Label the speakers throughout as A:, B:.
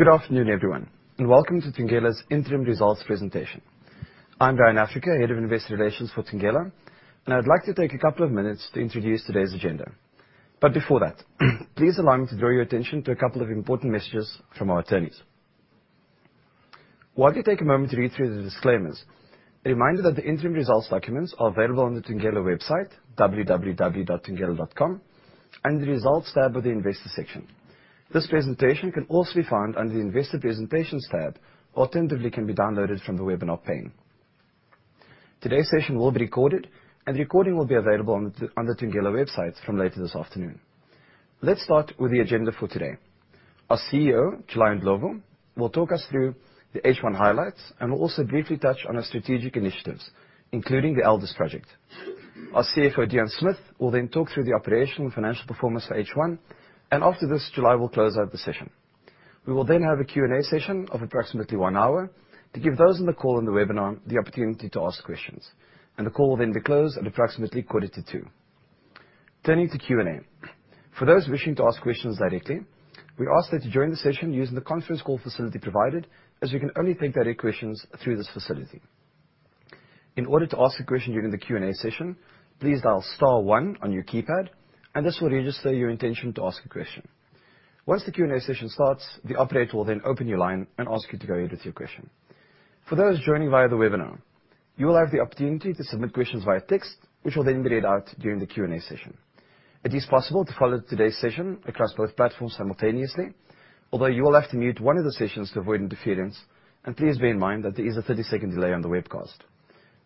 A: Good afternoon, everyone, and welcome to Thungela's Interim Results Presentation. I'm Ryan Africa, Head of Investor Relations for Thungela, and I'd like to take a couple of minutes to introduce today's agenda. Before that, please allow me to draw your attention to a couple of important messages from our attorneys. While you take a moment to read through the disclaimers, a reminder that the interim results documents are available on the Thungela website, www.thungela.com, under the results tab of the investor section. This presentation can also be found under the investor presentations tab, alternatively, can be downloaded from the webinar pane. Today's session will be recorded and the recording will be available on the Thungela website from later this afternoon. Let's start with the agenda for today. Our CEO, July Ndlovu, will talk us through the H1 highlights and will also briefly touch on our strategic initiatives, including the Elders project. Our CFO, Deon Smith, will then talk through the operational and financial performance for H1, and after this, July will close out the session. We will then have a Q&A session of approximately one hour to give those on the call and the webinar the opportunity to ask questions, and the call will then be closed at approximately quarter to two. Turning to Q&A. For those wishing to ask questions directly, we ask that you join the session using the conference call facility provided, as we can only take direct questions through this facility. In order to ask a question during the Q&A session, please dial star one on your keypad and this will register your intention to ask a question. Once the Q&A session starts, the operator will then open your line and ask you to go ahead with your question. For those joining via the webinar, you will have the opportunity to submit questions via text, which will then be read out during the Q&A session. It is possible to follow today's session across both platforms simultaneously, although you will have to mute one of the sessions to avoid interference, and please bear in mind that there is a 30-second delay on the webcast.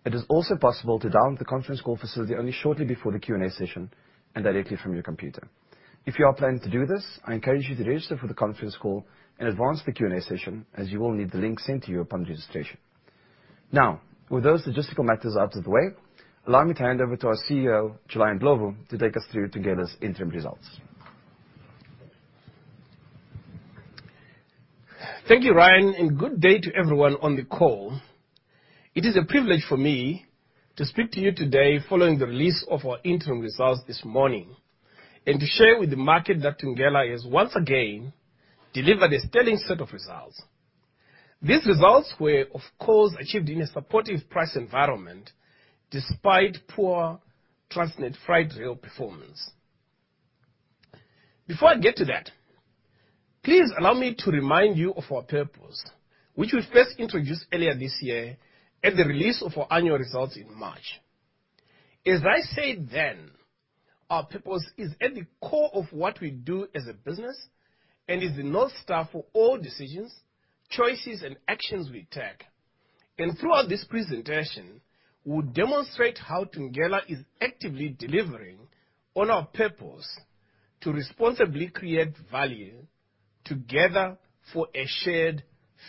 A: It is also possible to dial the conference call facility only shortly before the Q&A session and directly from your computer. If you are planning to do this, I encourage you to register for the conference call in advance of the Q&A session, as you will need the link sent to you upon registration. Now, with those logistical matters out of the way, allow me to hand over to our CEO, July Ndlovu, to take us through Thungela's interim results.
B: Thank you, Ryan, and good day to everyone on the call. It is a privilege for me to speak to you today following the release of our interim results this morning, and to share with the market that Thungela has once again delivered a sterling set of results. These results were, of course, achieved in a supportive price environment despite poor Transnet Freight Rail performance. Before I get to that, please allow me to remind you of our purpose, which we first introduced earlier this year at the release of our annual results in March. As I said then, our purpose is at the core of what we do as a business and is the North Star for all decisions, choices, and actions we take. Throughout this presentation, we'll demonstrate how Thungela is actively delivering on our purpose to responsibly create value together for a shared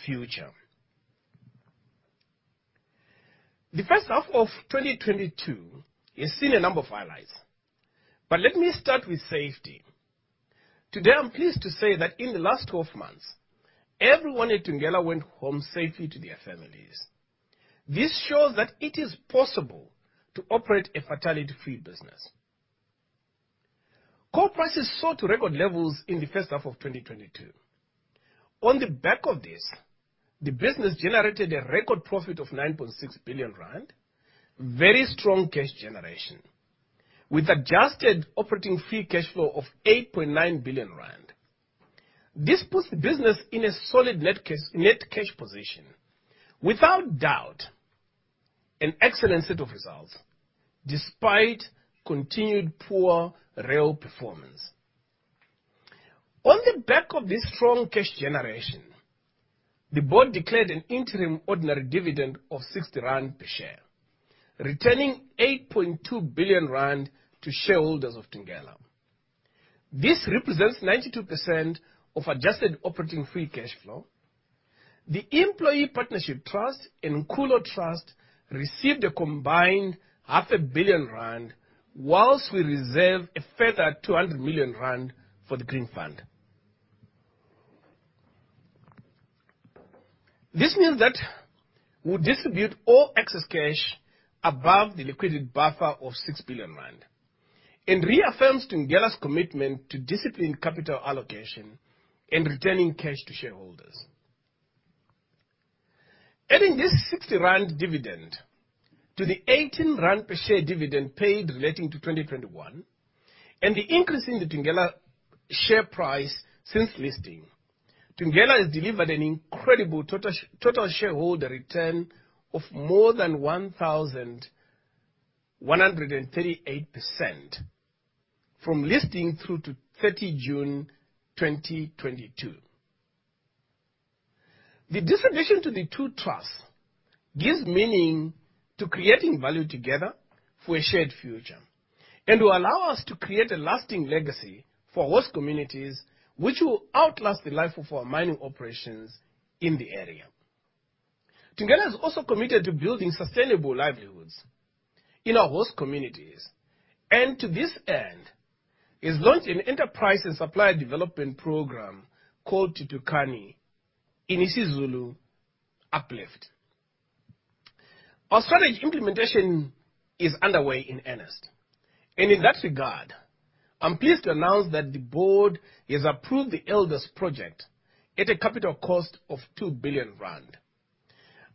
B: future. The first half of 2022 has seen a number of highlights, but let me start with safety. Today, I'm pleased to say that in the last 12 months, everyone at Thungela went home safely to their families. This shows that it is possible to operate a fatality-free business. Coal prices soared to record levels in the first half of 2022. On the back of this, the business generated a record profit of 9.6 billion rand, very strong cash generation, with adjusted operating free cash flow of 8.9 billion rand. This puts the business in a solid net cash position. Without doubt, an excellent set of results, despite continued poor rail performance. On the back of this strong cash generation, the board declared an interim ordinary dividend of 60 rand per share, returning 8.2 billion rand to shareholders of Thungela. This represents 92% of adjusted operating free cash flow. The Employee Partnership Trust and Nkulo Trust received a combined 500 million rand, while we reserved a further 200 million rand for the Green Fund. This means that we'll distribute all excess cash above the liquidity buffer of 6 billion rand and reaffirms Thungela's commitment to disciplined capital allocation and returning cash to shareholders. Adding this 60 rand dividend to the 18 rand per share dividend paid relating to 2021, and the increase in the Thungela share price since listing, Thungela has delivered an incredible total shareholder return of more than 1,138% from listing through to June 30 2022. The distribution to the two trusts gives meaning to creating value together for a shared future and will allow us to create a lasting legacy for host communities which will outlast the life of our mining operations in the area. Thungela is also committed to building sustainable livelihoods in our host communities, and to this end, has launched an enterprise and supplier development program called Thuthukani. It means, in Zulu, uplift. Our strategy implementation is underway in earnest. In that regard, I'm pleased to announce that the board has approved the Elders project at a capital cost of 2 billion rand.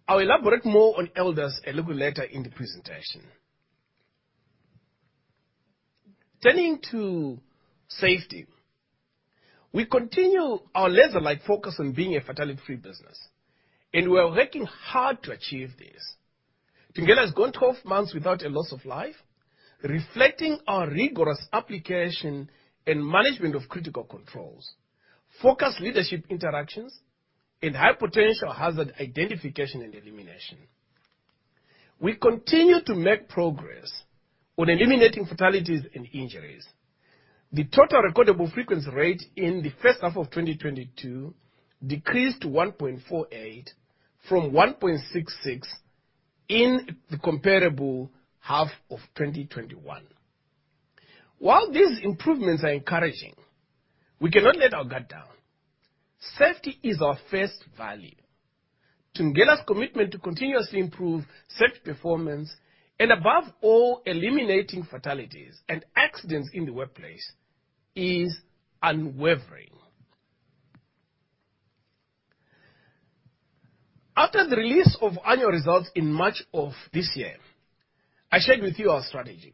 B: I'll elaborate more on Elders a little later in the presentation. Turning to safety, we continue our laser-like focus on being a fatality-free business, and we are working hard to achieve this. Thungela has gone 12 months without a loss of life, reflecting our rigorous application and management of critical controls, focused leadership interactions, and high potential hazard identification and elimination. We continue to make progress on eliminating fatalities and injuries. The total recordable frequency rate in the first half of 2022 decreased to 1.48 from 1.66 in the comparable half of 2021. While these improvements are encouraging, we cannot let our guard down. Safety is our first value. Thungela's commitment to continuously improve safety performance, and above all, eliminating fatalities and accidents in the workplace is unwavering. After the release of annual results in March of this year, I shared with you our strategy.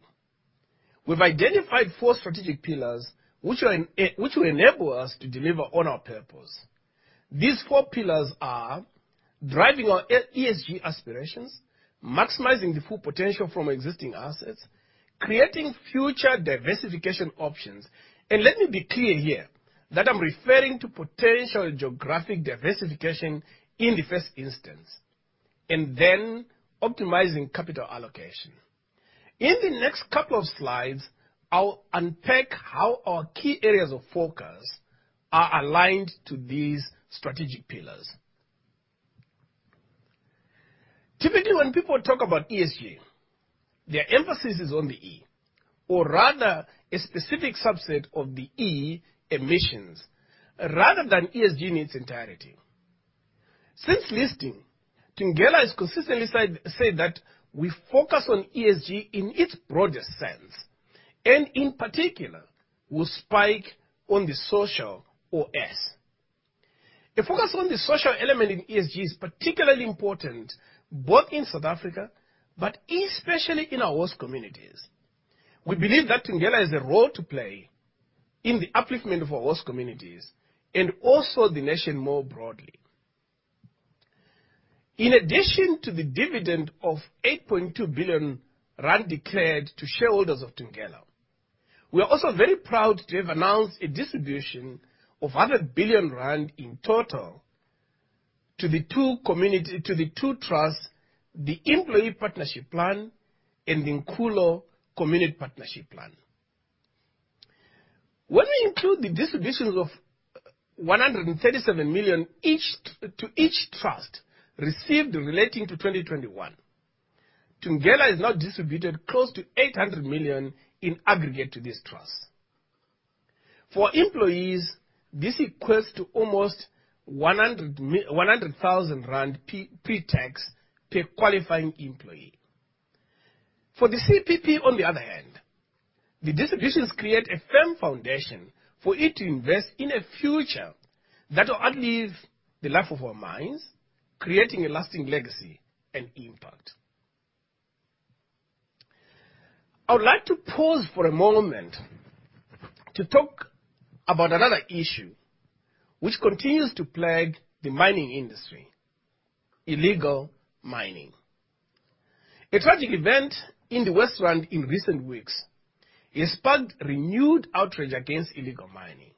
B: We've identified four strategic pillars which will enable us to deliver on our purpose. These four pillars are driving our ESG aspirations, maximizing the full potential from existing assets, creating future diversification options, and let me be clear here that I'm referring to potential geographic diversification in the first instance. Optimizing capital allocation. In the next couple of slides, I'll unpack how our key areas of focus are aligned to these strategic pillars. Typically, when people talk about ESG, their emphasis is on the E, or rather, a specific subset of the E, emissions, rather than ESG in its entirety. Since listing, Thungela has consistently said that we focus on ESG in its broadest sense, and in particular, we'll spike on the social or S. A focus on the social element in ESG is particularly important both in South Africa, but especially in our host communities. We believe that Thungela has a role to play in the upliftment of our host communities and also the nation more broadly. In addition to the dividend of 8.2 billion rand declared to shareholders of Thungela, we are also very proud to have announced a distribution of one billion rand in total to the two communities, to the two trusts, the Employee Partnership Trust and the Nkulo Community Partnership Trust. When we include the distributions of 137 million each to each trust received relating to 2021, Thungela has now distributed close to 800 million in aggregate to this trust. For employees, this equates to almost 100,000 rand pre-tax per qualifying employee. For the CPP on the other hand, the distributions create a firm foundation for it to invest in a future that will outlive the life of our mines, creating a lasting legacy and impact. I would like to pause for a moment to talk about another issue which continues to plague the mining industry, illegal mining. A tragic event in the West Rand in recent weeks has sparked renewed outrage against illegal mining.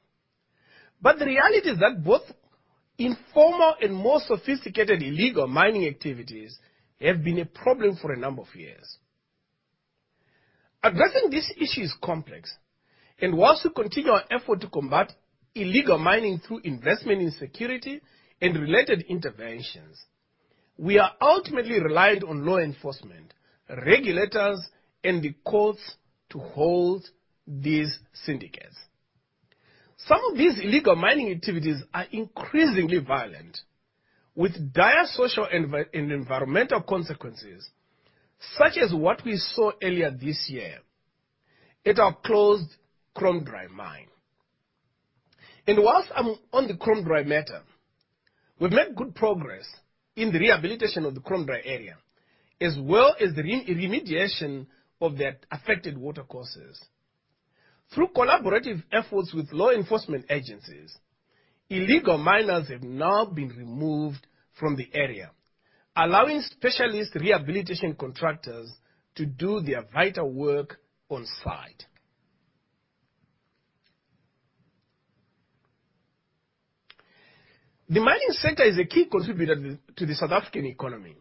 B: The reality is that both informal and more sophisticated illegal mining activities have been a problem for a number of years. Addressing this issue is complex, and while we continue our effort to combat illegal mining through investment in security and related interventions, we are ultimately reliant on law enforcement, regulators, and the courts to hold these syndicates. Some of these illegal mining activities are increasingly violent, with dire social and environmental consequences, such as what we saw earlier this year at our closed chromite mine. While I'm on the chromite matter, we've made good progress in the rehabilitation of the chromite area, as well as the remediation of the affected water courses. Through collaborative efforts with law enforcement agencies, illegal miners have now been removed from the area, allowing specialist rehabilitation contractors to do their vital work on-site. The mining sector is a key contributor to the South African economy.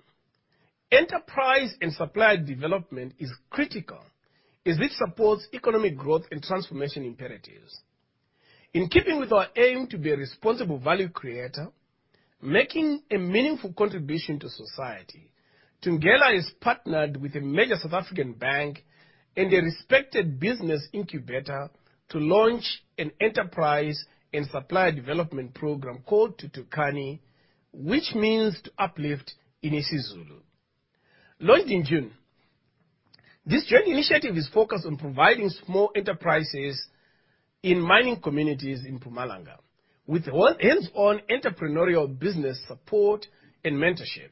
B: Enterprise and supplier development is critical as it supports economic growth and transformation imperatives. In keeping with our aim to be a responsible value creator, making a meaningful contribution to society, Thungela has partnered with a major South African bank and a respected business incubator to launch an enterprise and supplier development program called Thuthukani, which means to uplift in isiZulu. This joint initiative is focused on providing small enterprises in mining communities in Mpumalanga with all hands-on entrepreneurial business support and mentorship,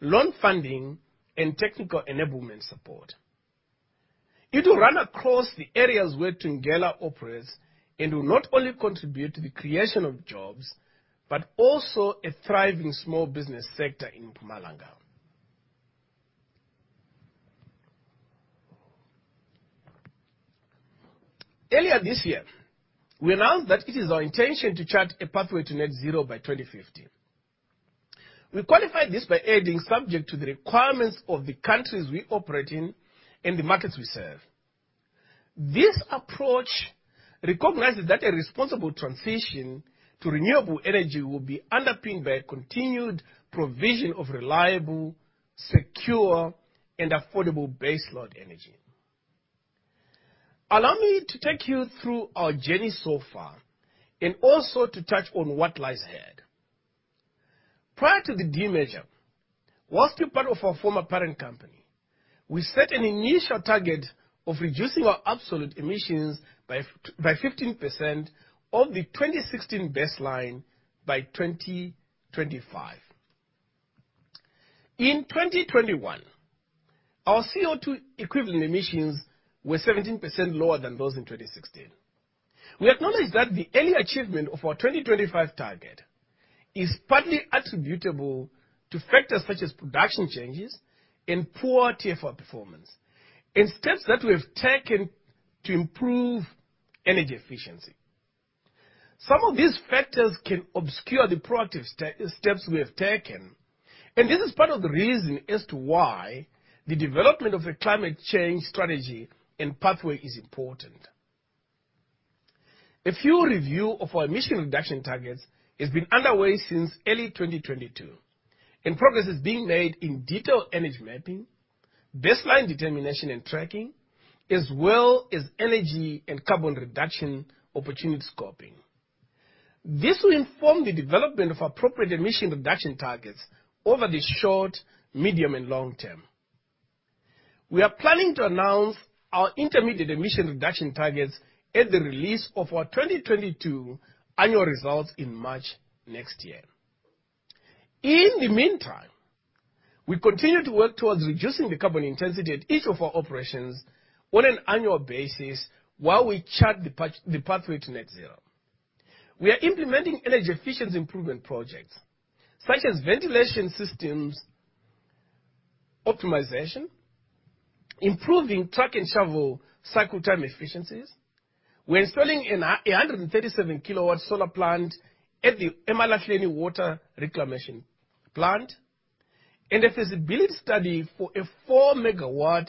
B: loan funding, and technical enablement support. It will run across the areas where Thungela operates and will not only contribute to the creation of jobs, but also a thriving small business sector in Mpumalanga. Earlier this year, we announced that it is our intention to chart a pathway to net zero by 2050. We qualified this by adding, subject to the requirements of the countries we operate in and the markets we serve. This approach recognizes that a responsible transition to renewable energy will be underpinned by a continued provision of reliable, secure, and affordable baseload energy. Allow me to take you through our journey so far and also to touch on what lies ahead. Prior to the demerger, while a part of our former parent company, we set an initial target of reducing our absolute emissions by 15% of the 2016 baseline by 2025. In 2021, our CO2 equivalent emissions were 17% lower than those in 2016. We acknowledge that the early achievement of our 2025 target is partly attributable to factors such as production changes and poor TFR performance, and steps that we have taken to improve energy efficiency. Some of these factors can obscure the proactive steps we have taken, and this is part of the reason as to why the development of a climate change strategy and pathway is important. A review of our emission reduction targets has been underway since early 2022, and progress is being made in detailed energy mapping, baseline determination and tracking, as well as energy and carbon reduction opportunity scoping. This will inform the development of appropriate emission reduction targets over the short, medium, and long term. We are planning to announce our intermediate emission reduction targets at the release of our 2022 annual results in March next year. In the meantime, we continue to work towards reducing the carbon intensity at each of our operations on an annual basis while we chart the pathway to net zero. We are implementing energy efficiency improvement projects such as ventilation systems optimization, improving truck and shovel cycle time efficiencies. We're installing a 137-kW solar plant at the Emalahleni water reclamation plant, and a feasibility study for a 4-MW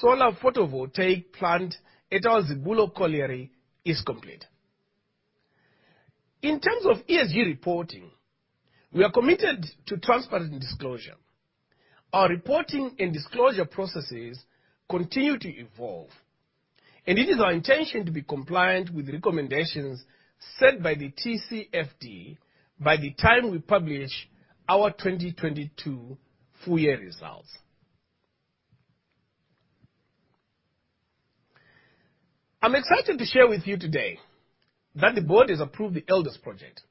B: solar photovoltaic plant at our Zibulo colliery is complete. In terms of ESG reporting, we are committed to transparent disclosure. Our reporting and disclosure processes continue to evolve, and it is our intention to be compliant with the recommendations set by the TCFD by the time we publish our 2022 full-year results. I'm excited to share with you today that the board has approved the Elders project,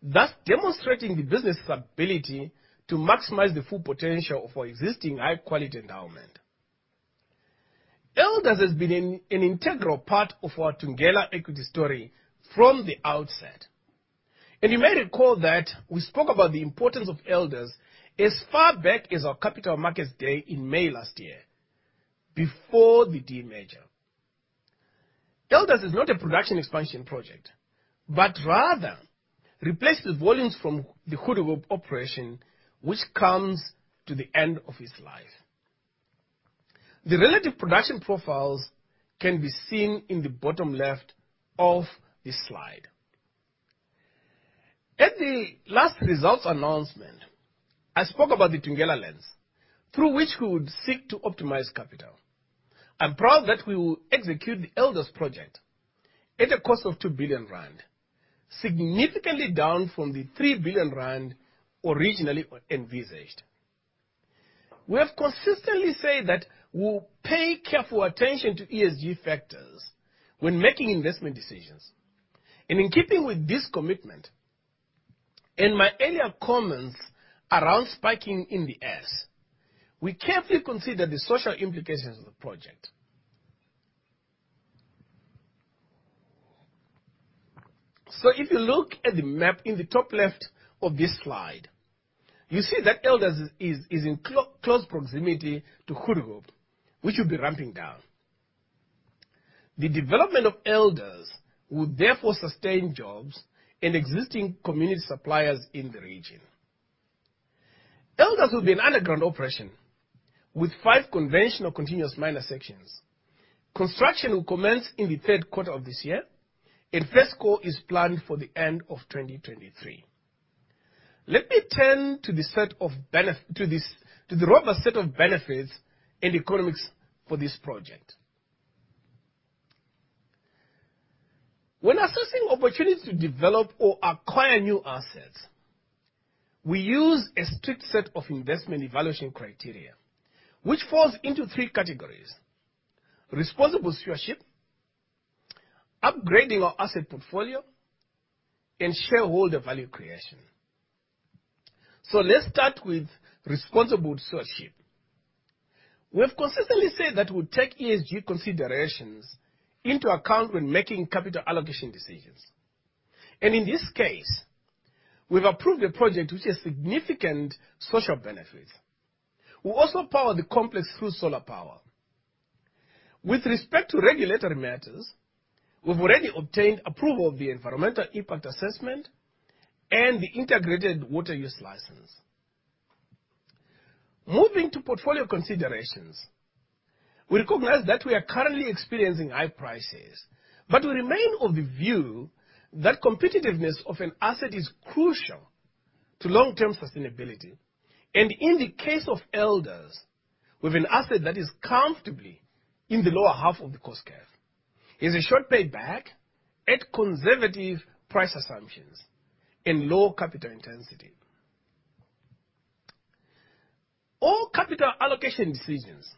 B: thus demonstrating the business's ability to maximize the full potential of our existing high-quality endowment. Elders has been an integral part of our Thungela equity story from the outset, and you may recall that we spoke about the importance of Elders as far back as our capital markets day in May last year, before the demerger. Elders is not a production expansion project, but rather replaces volumes from the Goedehoop operation which comes to the end of its life. The relative production profiles can be seen in the bottom left of this slide. At the last results announcement, I spoke about the Thungela lens, through which we would seek to optimize capital. I'm proud that we will execute the Elders project at a cost of 2 billion rand, significantly down from the 3 billion rand originally envisaged. We have consistently said that we'll pay careful attention to ESG factors when making investment decisions. In keeping with this commitment, in my earlier comments around speaking in the ESG, we carefully considered the social implications of the project. If you look at the map in the top left of this slide, you see that Elders is in close proximity to Hoedspruit, which will be ramping down. The development of Elders will therefore sustain jobs and existing community suppliers in the region. Elders will be an underground operation with five conventional continuous miner sections. Construction will commence in the third quarter of this year, and first coal is planned for the end of 2023. Let me turn to the robust set of benefits and economics for this project. When assessing opportunities to develop or acquire new assets, we use a strict set of investment evaluation criteria which falls into three categories. Responsible stewardship, upgrading our asset portfolio, and shareholder value creation. Let's start with responsible stewardship. We have consistently said that we'll take ESG considerations into account when making capital allocation decisions. In this case, we've approved a project which has significant social benefits. We'll also power the complex through solar power. With respect to regulatory matters, we've already obtained approval of the environmental impact assessment and the integrated water use license. Moving to portfolio considerations, we recognize that we are currently experiencing high prices, but we remain of the view that competitiveness of an asset is crucial to long-term sustainability. In the case of Elders, we have an asset that is comfortably in the lower half of the cost curve, has a short pay back at conservative price assumptions and low capital intensity. All capital allocation decisions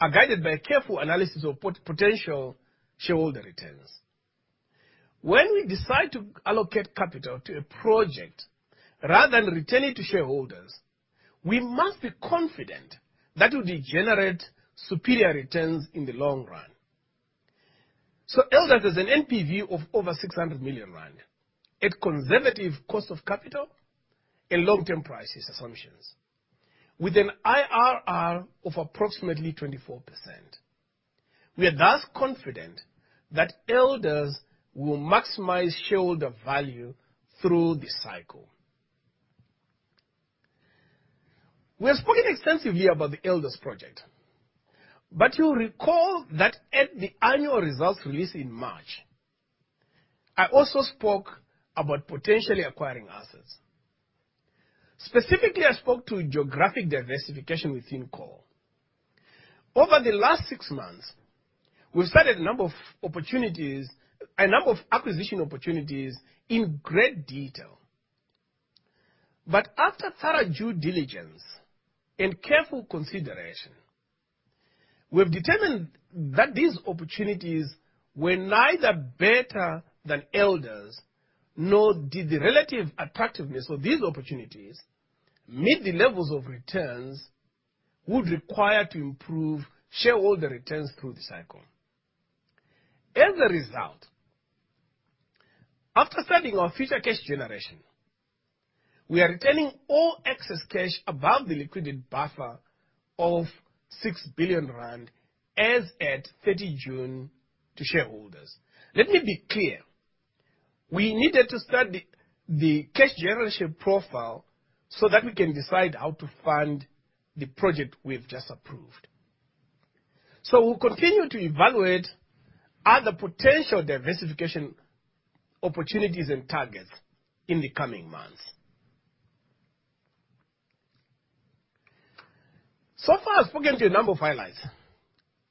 B: are guided by a careful analysis of potential shareholder returns. When we decide to allocate capital to a project rather than returning to shareholders, we must be confident that it will generate superior returns in the long run. Elders has an NPV of over 600 million rand at conservative cost of capital and long-term prices assumptions with an IRR of approximately 24%. We are thus confident that Elders will maximize shareholder value through the cycle. We have spoken extensively about the Elders project, but you'll recall that at the annual results release in March, I also spoke about potentially acquiring assets. Specifically, I spoke to geographic diversification within coal. Over the last six months, we've studied a number of acquisition opportunities in great detail. After thorough due diligence and careful consideration, we've determined that these opportunities were neither better than Elders, nor did the relative attractiveness of these opportunities meet the levels of returns we'd require to improve shareholder returns through the cycle. As a result, after studying our future cash generation, we are returning all excess cash above the liquidity buffer of 6 billion rand as at June 30 to shareholders. Let me be clear. We needed to study the cash generation profile so that we can decide how to fund the project we've just approved. We'll continue to evaluate other potential diversification opportunities and targets in the coming months. So far, I've spoken to a number of highlights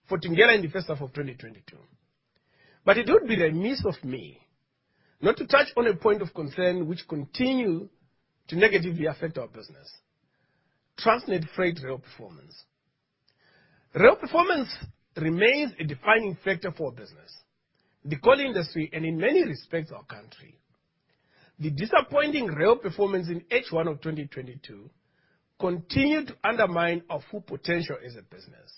B: for Thungela in the first half of 2022, it would be remiss of me not to touch on a point of concern which continue to negatively affect our business. Transnet Freight Rail performance. Rail performance remains a defining factor for our business, the coal industry, and in many respects, our country. The disappointing rail performance in H1 of 2022 continued to undermine our full potential as a business.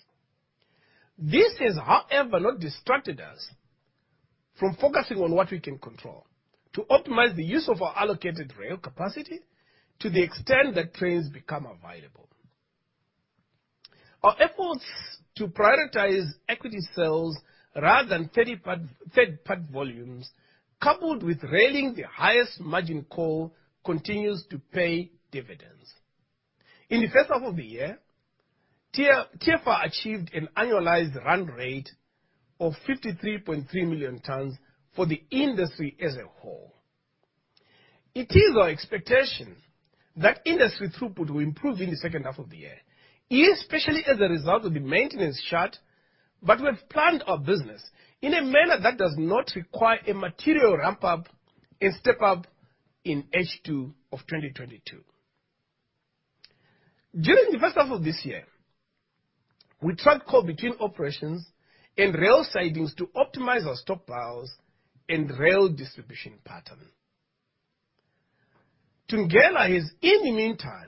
B: This has, however, not distracted us from focusing on what we can control to optimize the use of our allocated rail capacity to the extent that trains become available. Our efforts to prioritize export sales rather than third path volumes, coupled with railing the highest margin coal, continues to pay dividends. In the first half of the year, TFR achieved an annualized run rate of 53.3 million tonnes for the industry as a whole. It is our expectation that industry throughput will improve in the second half of the year, especially as a result of the maintenance charter, but we have planned our business in a manner that does not require a material ramp up and step up in H2 of 2022. During the first half of this year, we trucked coal between operations and rail sidings to optimize our stockpiles and rail distribution pattern. Thungela has, in the meantime,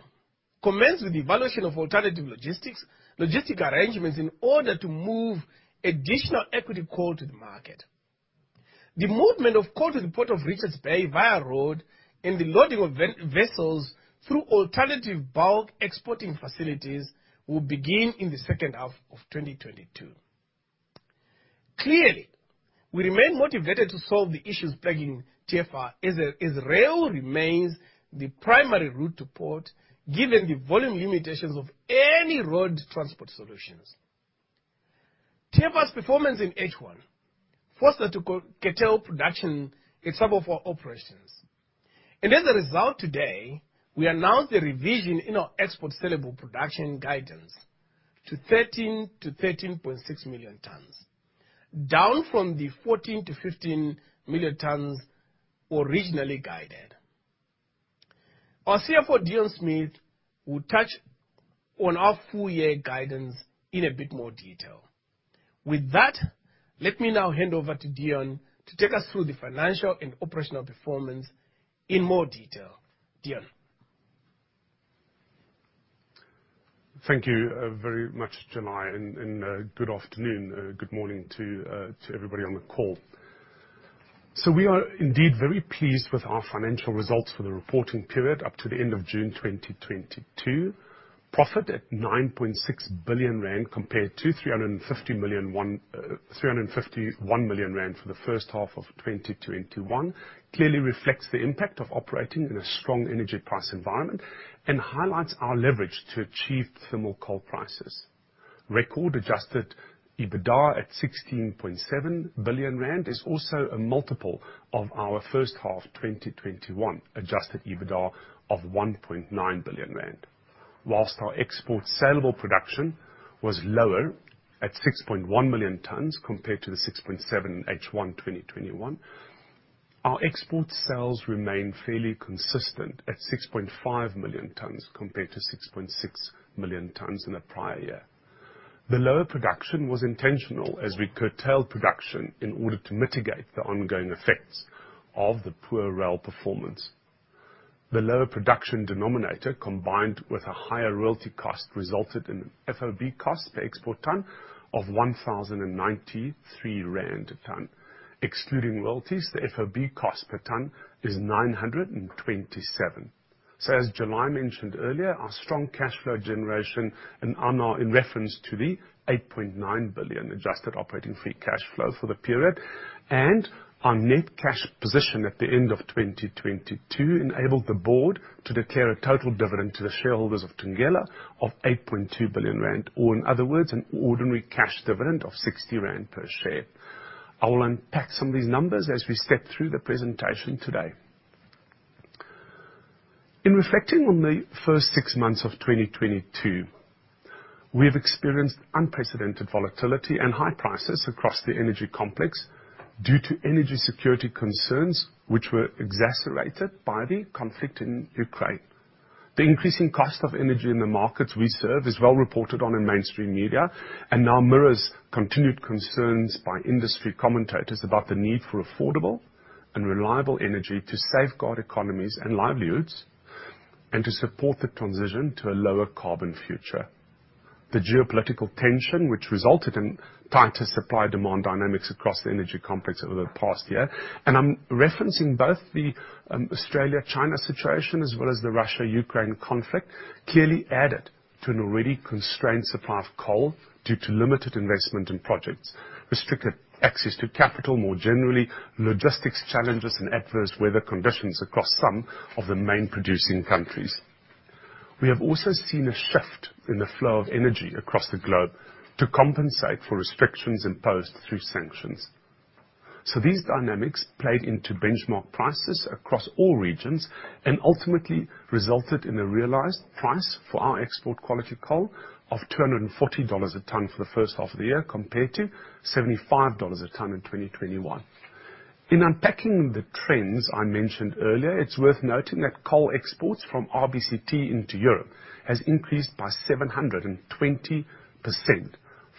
B: commenced with the evaluation of alternative logistics, logistic arrangements in order to move additional export coal to the market. The movement of coal to the Port of Richards Bay via road and the loading of vessels through alternative bulk exporting facilities will begin in the second half of 2022. Clearly, we remain motivated to solve the issues plaguing TFR as rail remains the primary route to port, given the volume limitations of any road transport solutions. TFR's performance in H1 forced us to curtail production at some of our operations. As a result, today we announce the revision in our export sellable production guidance to 13 million-13.6 million tonnes, down from the 14 million-15 million tonnes originally guided. Our CFO, Deon Smith, will touch on our full year guidance in a bit more detail. With that, let me now hand over to Deon to take us through the financial and operational performance in more detail. Deon?
C: Thank you very much, July, and good afternoon, good morning to everybody on the call. We are indeed very pleased with our financial results for the reporting period up to the end of June 2022. Profit at 9.6 billion rand compared to 351 million rand for the first half of 2021 clearly reflects the impact of operating in a strong energy price environment and highlights our leverage to achieve thermal coal prices. Record Adjusted EBITDA at 16.7 billion rand is also a multiple of our first half 2021 Adjusted EBITDA of 1.9 billion rand. While our export sellable production was lower at 6.1 million tonnes compared to the 6.7 H1 2021, our export sales remain fairly consistent at 6.5 million tonnes compared to 6.6 million tonnes in the prior year. The lower production was intentional as we curtailed production in order to mitigate the ongoing effects of the poor rail performance. The lower production denominator, combined with a higher royalty cost, resulted in an FOB cost per export tonne of 1,093 rand a tonne. Excluding royalties, the FOB cost per tonne is 927. As July mentioned earlier, our strong cash flow generation and are now in reference to the 8.9 billion adjusted operating free cash flow for the period, and our net cash position at the end of 2022 enabled the board to declare a total dividend to the shareholders of Thungela of 8.2 billion rand, or in other words, an ordinary cash dividend of 60 rand per share. I will unpack some of these numbers as we step through the presentation today. In reflecting on the first six months of 2022, we have experienced unprecedented volatility and high prices across the energy complex due to energy security concerns which were exacerbated by the conflict in Ukraine. The increasing cost of energy in the markets we serve is well reported on in mainstream media, and now mirrors continued concerns by industry commentators about the need for affordable and reliable energy to safeguard economies and livelihoods, and to support the transition to a lower carbon future. The geopolitical tension, which resulted in tighter supply/demand dynamics across the energy complex over the past year, and I'm referencing both the Australia-China situation as well as the Russia-Ukraine conflict, clearly added to an already constrained supply of coal due to limited investment in projects, restricted access to capital more generally, logistics challenges and adverse weather conditions across some of the main producing countries. We have also seen a shift in the flow of energy across the globe to compensate for restrictions imposed through sanctions. These dynamics played into benchmark prices across all regions and ultimately resulted in a realized price for our export quality coal of $240 a tonne for the first half of the year, compared to $75 a tonne in 2021. In unpacking the trends I mentioned earlier, it's worth noting that coal exports from RBCT into Europe has increased by 720%,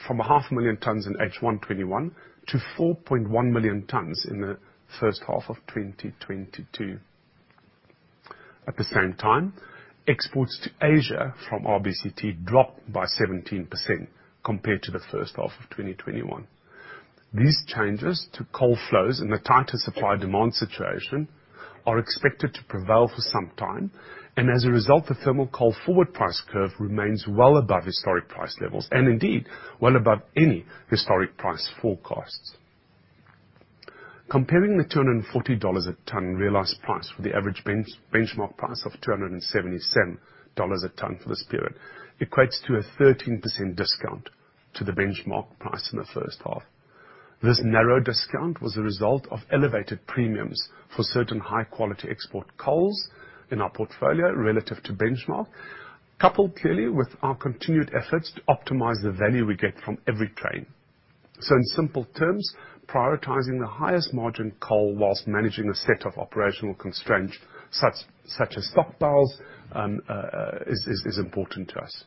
C: from 500,000 tonnes in H1 2021 to 4.1 million tonnes in the first half of 2022. At the same time, exports to Asia from RBCT dropped by 17% compared to the first half of 2021. These changes to coal flows and the tighter supply and demand situation are expected to prevail for some time, and as a result, the thermal coal forward price curve remains well above historic price levels, and indeed well above any historic price forecasts. Comparing the $240 a tonne realized price with the average benchmark price of $277 a tonne for this period equates to a 13% discount to the benchmark price in the first half. This narrow discount was a result of elevated premiums for certain high-quality export coals in our portfolio relative to benchmark, coupled clearly with our continued efforts to optimize the value we get from every train. In simple terms, prioritizing the highest margin coal while managing a set of operational constraints such as stockpiles is important to us.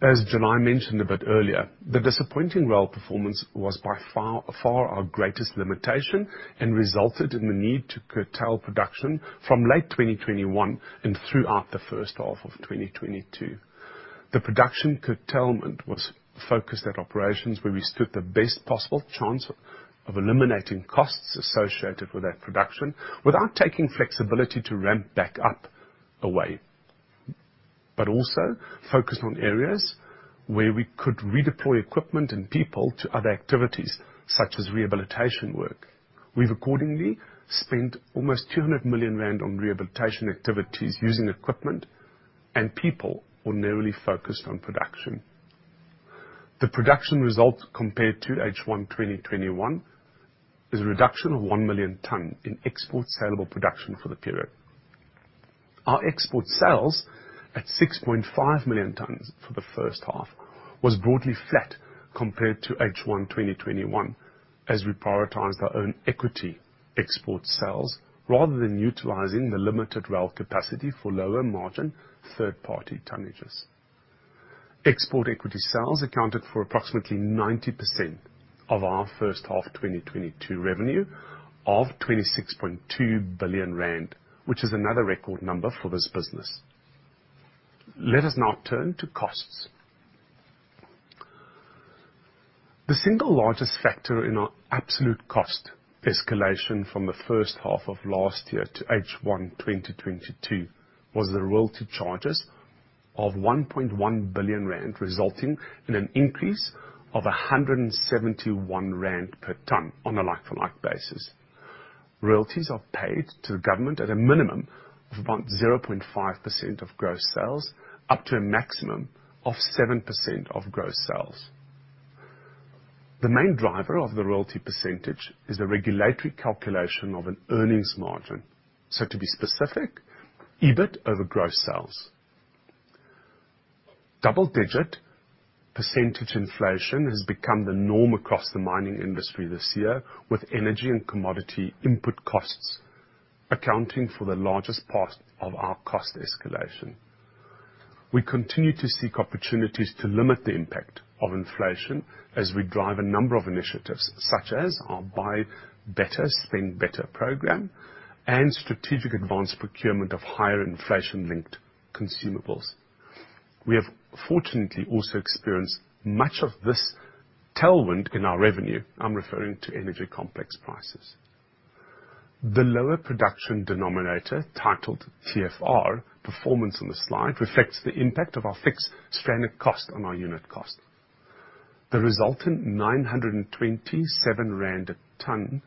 C: As July mentioned a bit earlier, the disappointing rail performance was by far, far our greatest limitation and resulted in the need to curtail production from late 2021 and throughout the first half of 2022. The production curtailment was focused at operations where we stood the best possible chance of eliminating costs associated with that production without taking flexibility to ramp back up away, but also focused on areas where we could redeploy equipment and people to other activities, such as rehabilitation work. We've accordingly spent almost 200 million rand on rehabilitation activities using equipment and people ordinarily focused on production. The production results compared to H1 2021 is a reduction of 1,000,000 tons in export saleable production for the period. Our export sales at 6.5 million tons for the first half was broadly flat compared to H1 2021 as we prioritize our own equity export sales rather than utilizing the limited rail capacity for lower margin third party tonnages. Export equity sales accounted for approximately 90% of our first half 2022 revenue of 26.2 billion rand, which is another record number for this business. Let us now turn to costs. The single largest factor in our absolute cost escalation from the first half of last year to H1 2022 was the royalty charges of 1.1 billion rand, resulting in an increase of 171 rand per ton on a like for like basis. Royalties are paid to the government at a minimum of about 0.5% of gross sales, up to a maximum of 7% of gross sales. The main driver of the royalty percentage is a regulatory calculation of an earnings margin. To be specific, EBIT over gross sales. Double-digit percentage inflation has become the norm across the mining industry this year, with energy and commodity input costs accounting for the largest part of our cost escalation. We continue to seek opportunities to limit the impact of inflation as we drive a number of initiatives, such as our buy better, spend better program and strategic advanced procurement of higher inflation-linked consumables. We have fortunately also experienced much of this tailwind in our revenue. I'm referring to energy complex prices. The lower production denominator, titled TFR performance on the slide, reflects the impact of our fixed stranded cost on our unit cost. The resultant 927 rand a ton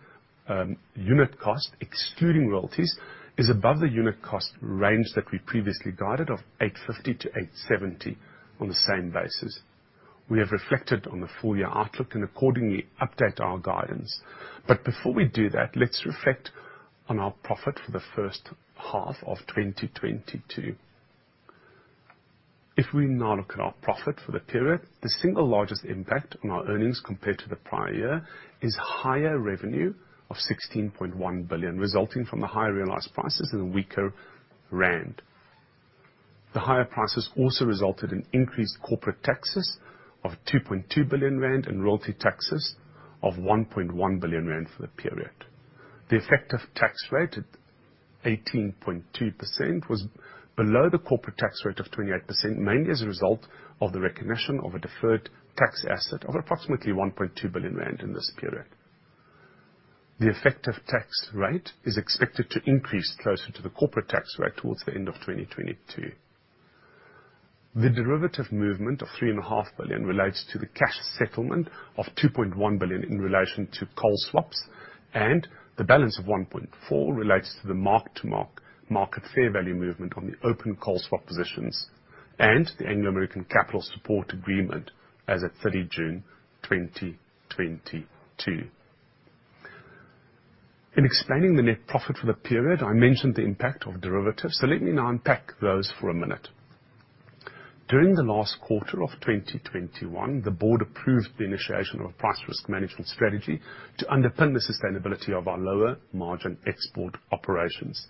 C: unit cost excluding royalties is above the unit cost range that we previously guided of 850 -870 on the same basis. We have reflected on the full year outlook and accordingly update our guidance. Before we do that, let's reflect on our profit for the first half of 2022. If we now look at our profit for the period, the single largest impact on our earnings compared to the prior year is higher revenue of 16.1 billion, resulting from the higher realized prices and weaker rand. The higher prices also resulted in increased corporate taxes of 2.2 billion rand and royalty taxes of 1.1 billion rand for the period. The effective tax rate at 18.2% was below the corporate tax rate of 28%, mainly as a result of the recognition of a deferred tax asset of approximately 1.2 billion rand in this period. The effective tax rate is expected to increase closer to the corporate tax rate towards the end of 2022. The derivative movement of 3.5 billion relates to the cash settlement of 2.1 billion in relation to coal swaps, and the balance of 1.4 billion relates to the mark-to-market fair value movement on the open coal swap positions and the Anglo American capital support agreement as at June 30 2022. In explaining the net profit for the period, I mentioned the impact of derivatives. Let me now unpack those for a minute. During the last quarter of 2021, the board approved the initiation of a price risk management strategy to underpin the sustainability of our lower margin export operations.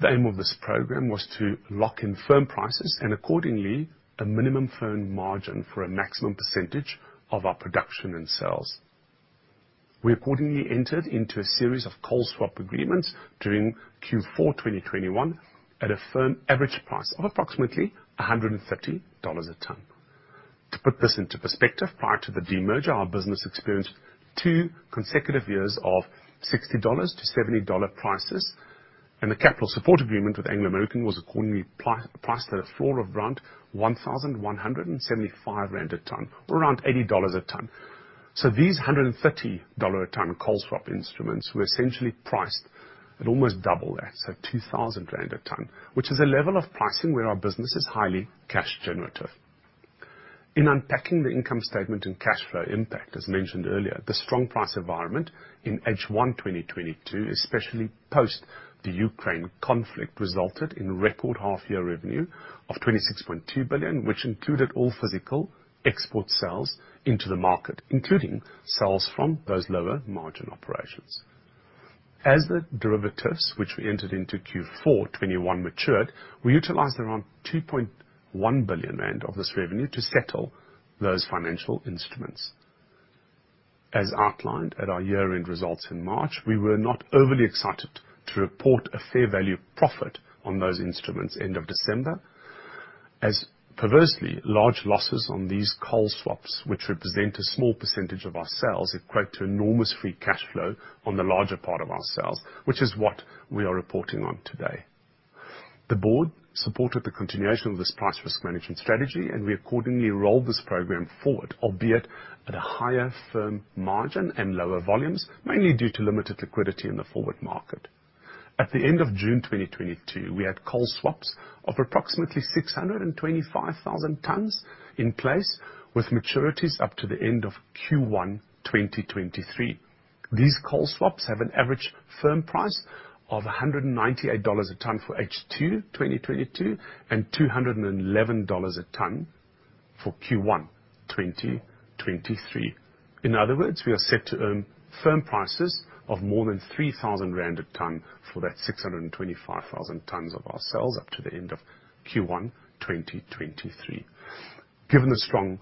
C: The aim of this program was to lock in firm prices and accordingly a minimum firm margin for a maximum percentage of our production and sales. We accordingly entered into a series of coal swap agreements during Q4 2021 at a firm average price of approximately $130 a ton. To put this into perspective, prior to the demerger, our business experienced two consecutive years of $60-$70 prices, and the capital support agreement with Anglo American was accordingly priced at a floor of around 1,175 rand a ton, or around $80 a ton. These $130 a ton coal swap instruments were essentially priced at almost double that, so 2,000 rand a ton, which is a level of pricing where our business is highly cash generative. In unpacking the income statement and cash flow impact, as mentioned earlier, the strong price environment in H1 2022, especially post the Ukraine conflict, resulted in record half year revenue of 26.2 billion, which included all physical export sales into the market, including sales from those lower margin operations. As the derivatives which we entered into Q4 2021 matured, we utilized around 2.1 billion rand of this revenue to settle those financial instruments. As outlined at our year-end results in March, we were not overly excited to report a fair value profit on those instruments end of December as perversely large losses on these coal swaps, which represent a small percentage of our sales, equate to enormous free cash flow on the larger part of our sales, which is what we are reporting on today. The board supported the continuation of this price risk management strategy, and we accordingly rolled this program forward, albeit at a higher firm margin and lower volumes, mainly due to limited liquidity in the forward market. At the end of June 2022, we had coal swaps of approximately 625,000 tons in place, with maturities up to the end of Q1 2023. These coal swaps have an average firm price of $198 a ton for H2 2022, and $211 a ton for Q1 2023. In other words, we are set to earn firm prices of more than 3,000 rand a ton for that 625,000 tons of our sales up to the end of Q1 2023. Given the strong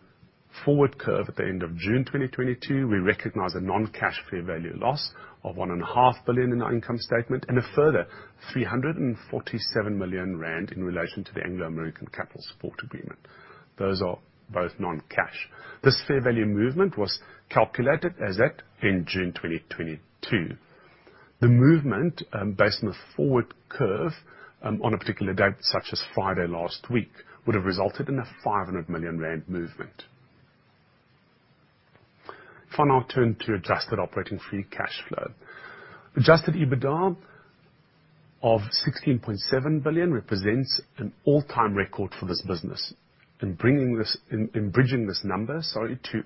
C: forward curve at the end of June 2022, we recognize a non-cash fair value loss of one and a 500 million in our income statement and a further 347 million rand in relation to the Anglo American capital support agreement. Those are both non-cash. This fair value movement was calculated as at in June 2022. The movement, based on the forward curve, on a particular date, such as Friday last week, would have resulted in a 500 million rand movement. Final turn to adjusted operating free cash flow. Adjusted EBITDA of 16.7 billion represents an all-time record for this business. In bridging this number, sorry, to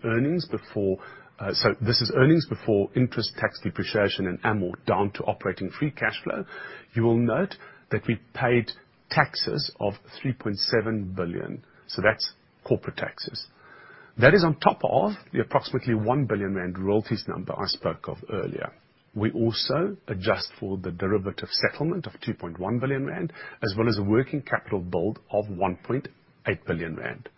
C: earnings before interest, tax, depreciation, and amortization down to operating free cash flow. You will note that we paid taxes of 3.7 billion, so that's corporate taxes. That is on top of the approximately 1 billion rand royalties number I spoke of earlier. We also adjust for the derivative settlement of 2.1 billion rand, as well as a working capital build of 1.8 billion rand.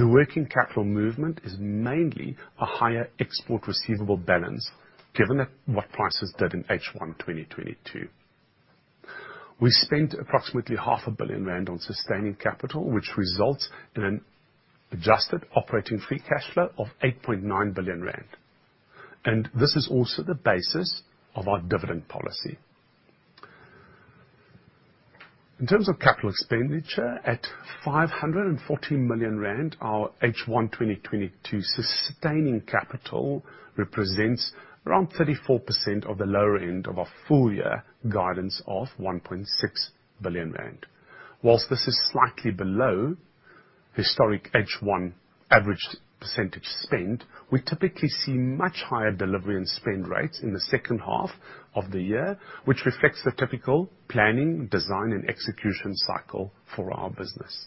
C: The working capital movement is mainly a higher export receivable balance, given that what prices did in H1 2022. We spent approximately 500 million rand on sustaining capital, which results in an adjusted operating free cash flow of 8.9 billion rand. This is also the basis of our dividend policy. In terms of capital expenditure, at 540 million rand, our H1 2022 sustaining capital represents around 34% of the lower end of our full year guidance of 1.6 billion rand. While this is slightly below historic H1 average percentage spend, we typically see much higher delivery and spend rates in the second half of the year, which reflects the typical planning, design, and execution cycle for our business.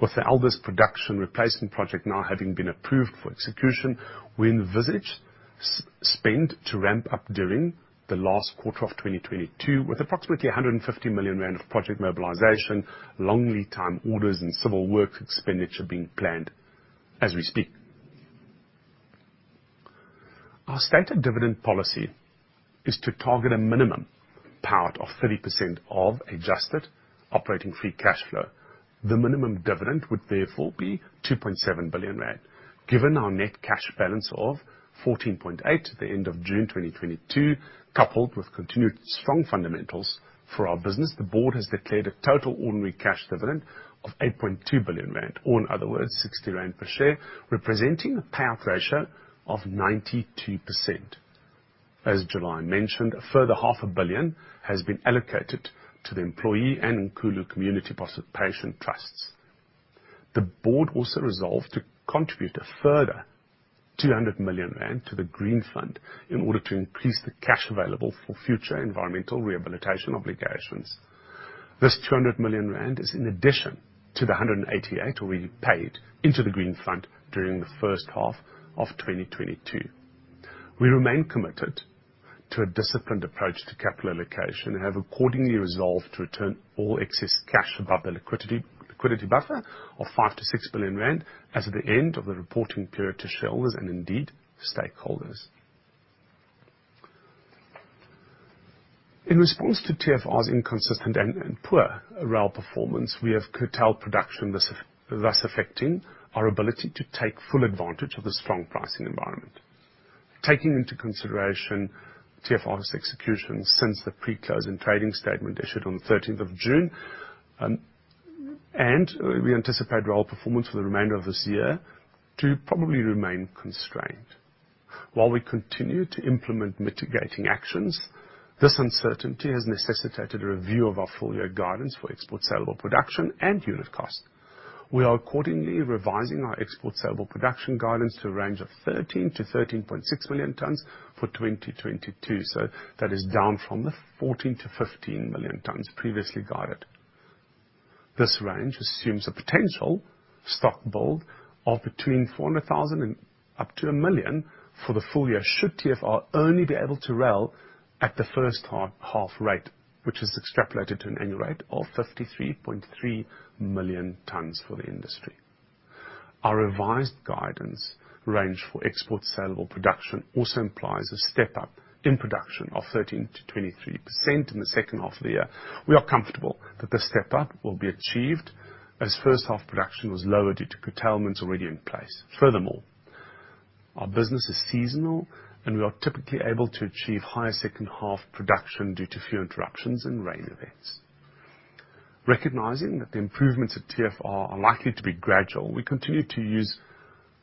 C: With the Elders production replacement project now having been approved for execution, we envisage spend to ramp up during the last quarter of 2022, with approximately 150 million rand of project mobilization, long lead time orders, and civil works expenditure being planned as we speak. Our stated dividend policy is to target a minimum payout of 30% of adjusted operating free cash flow. The minimum dividend would therefore be 2.7 billion rand. Given our net cash balance of 14.8 billion at the end of June 2022, coupled with continued strong fundamentals for our business, the board has declared a total ordinary cash dividend of 8.2 billion rand, or in other words, 60 rand per share, representing a payout ratio of 92%. As July mentioned, a further 500 million has been allocated to the employee and Nkulo Community Partnership Trusts. The board also resolved to contribute a further 200 million rand to the Green Fund in order to increase the cash available for future environmental rehabilitation obligations. This 200 million rand is in addition to the 188 million we paid into the Green Fund during the first half of 2022. We remain committed to a disciplined approach to capital allocation and have accordingly resolved to return all excess cash above the liquidity buffer of 5 billion-6 billion rand as of the end of the reporting period to shareholders, and indeed, stakeholders. In response to TFR's inconsistent and poor rail performance, we have curtailed production, thus affecting our ability to take full advantage of the strong pricing environment. Taking into consideration TFR's execution since the pre-closing trading statement issued on the June 13th, and we anticipate rail performance for the remainder of this year to probably remain constrained. While we continue to implement mitigating actions, this uncertainty has necessitated a review of our full year guidance for export saleable production and unit cost. We are accordingly revising our export saleable production guidance to a range of 13 million-13.6 million tons for 2022. That is down from the 14 million-15 million tons previously guided. This range assumes a potential stock build of between 400,000 and up to 1 million for the full year, should TFR only be able to rail at the first half rate, which is extrapolated to an annual rate of 53.3 million tons for the industry. Our revised guidance range for export saleable production also implies a step up in production of 13%-23% in the second half of the year. We are comfortable that this step up will be achieved as first half production was lower due to curtailments already in place. Furthermore, our business is seasonal, and we are typically able to achieve higher second half production due to fewer interruptions and rain events. Recognizing that the improvements at TFR are likely to be gradual, we continue to use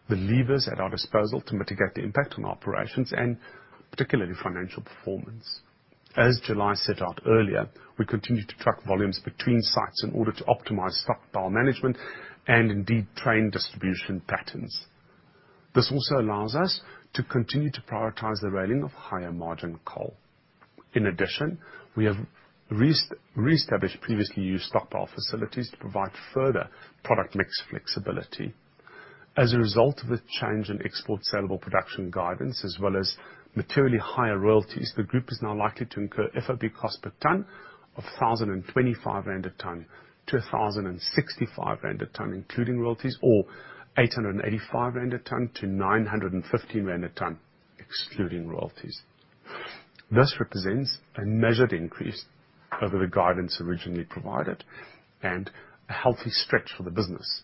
C: the levers at our disposal to mitigate the impact on operations and particularly financial performance. As July set out earlier, we continue to track volumes between sites in order to optimize stockpile management and indeed train distribution patterns. This also allows us to continue to prioritize the railing of higher margin coal. In addition, we have re-established previously used stockpile facilities to provide further product mix flexibility. As a result of the change in export sellable production guidance as well as materially higher royalties, the group is now likely to incur FOB cost per ton of 1,025 rand a ton to 1,065 rand a ton, including royalties, or 885 rand a ton to 915 rand a ton, excluding royalties. This represents a measured increase over the guidance originally provided and a healthy stretch for the business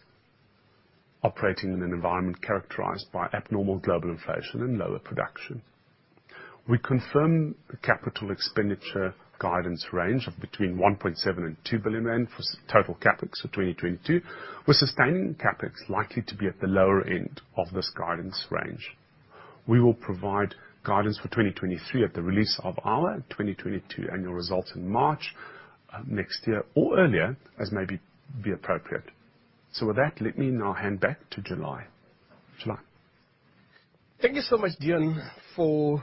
C: operating in an environment characterized by abnormal global inflation and lower production. We confirm the capital expenditure guidance range of between 1.7 billion and 2 billion rand for total CapEx for 2022, with sustaining CapEx likely to be at the lower end of this guidance range. We will provide guidance for 2023 at the release of our 2022 annual results in March next year or earlier as may be appropriate. With that, let me now hand back to July. July?
B: Thank you so much, Deon, for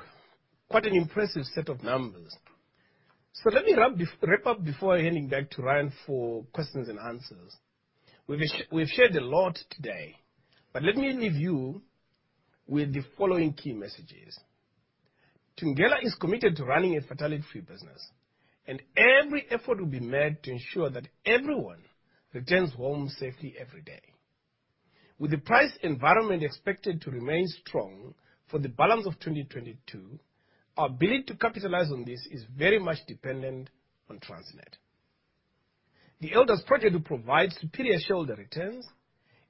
B: quite an impressive set of numbers. Let me wrap up before handing back to Ryan for questions and answers. We've shared a lot today, but let me leave you with the following key messages. Thungela is committed to running a fatality-free business and every effort will be made to ensure that everyone returns home safely every day. With the price environment expected to remain strong for the balance of 2022, our ability to capitalize on this is very much dependent on Transnet. The Elders project will provide superior shareholder returns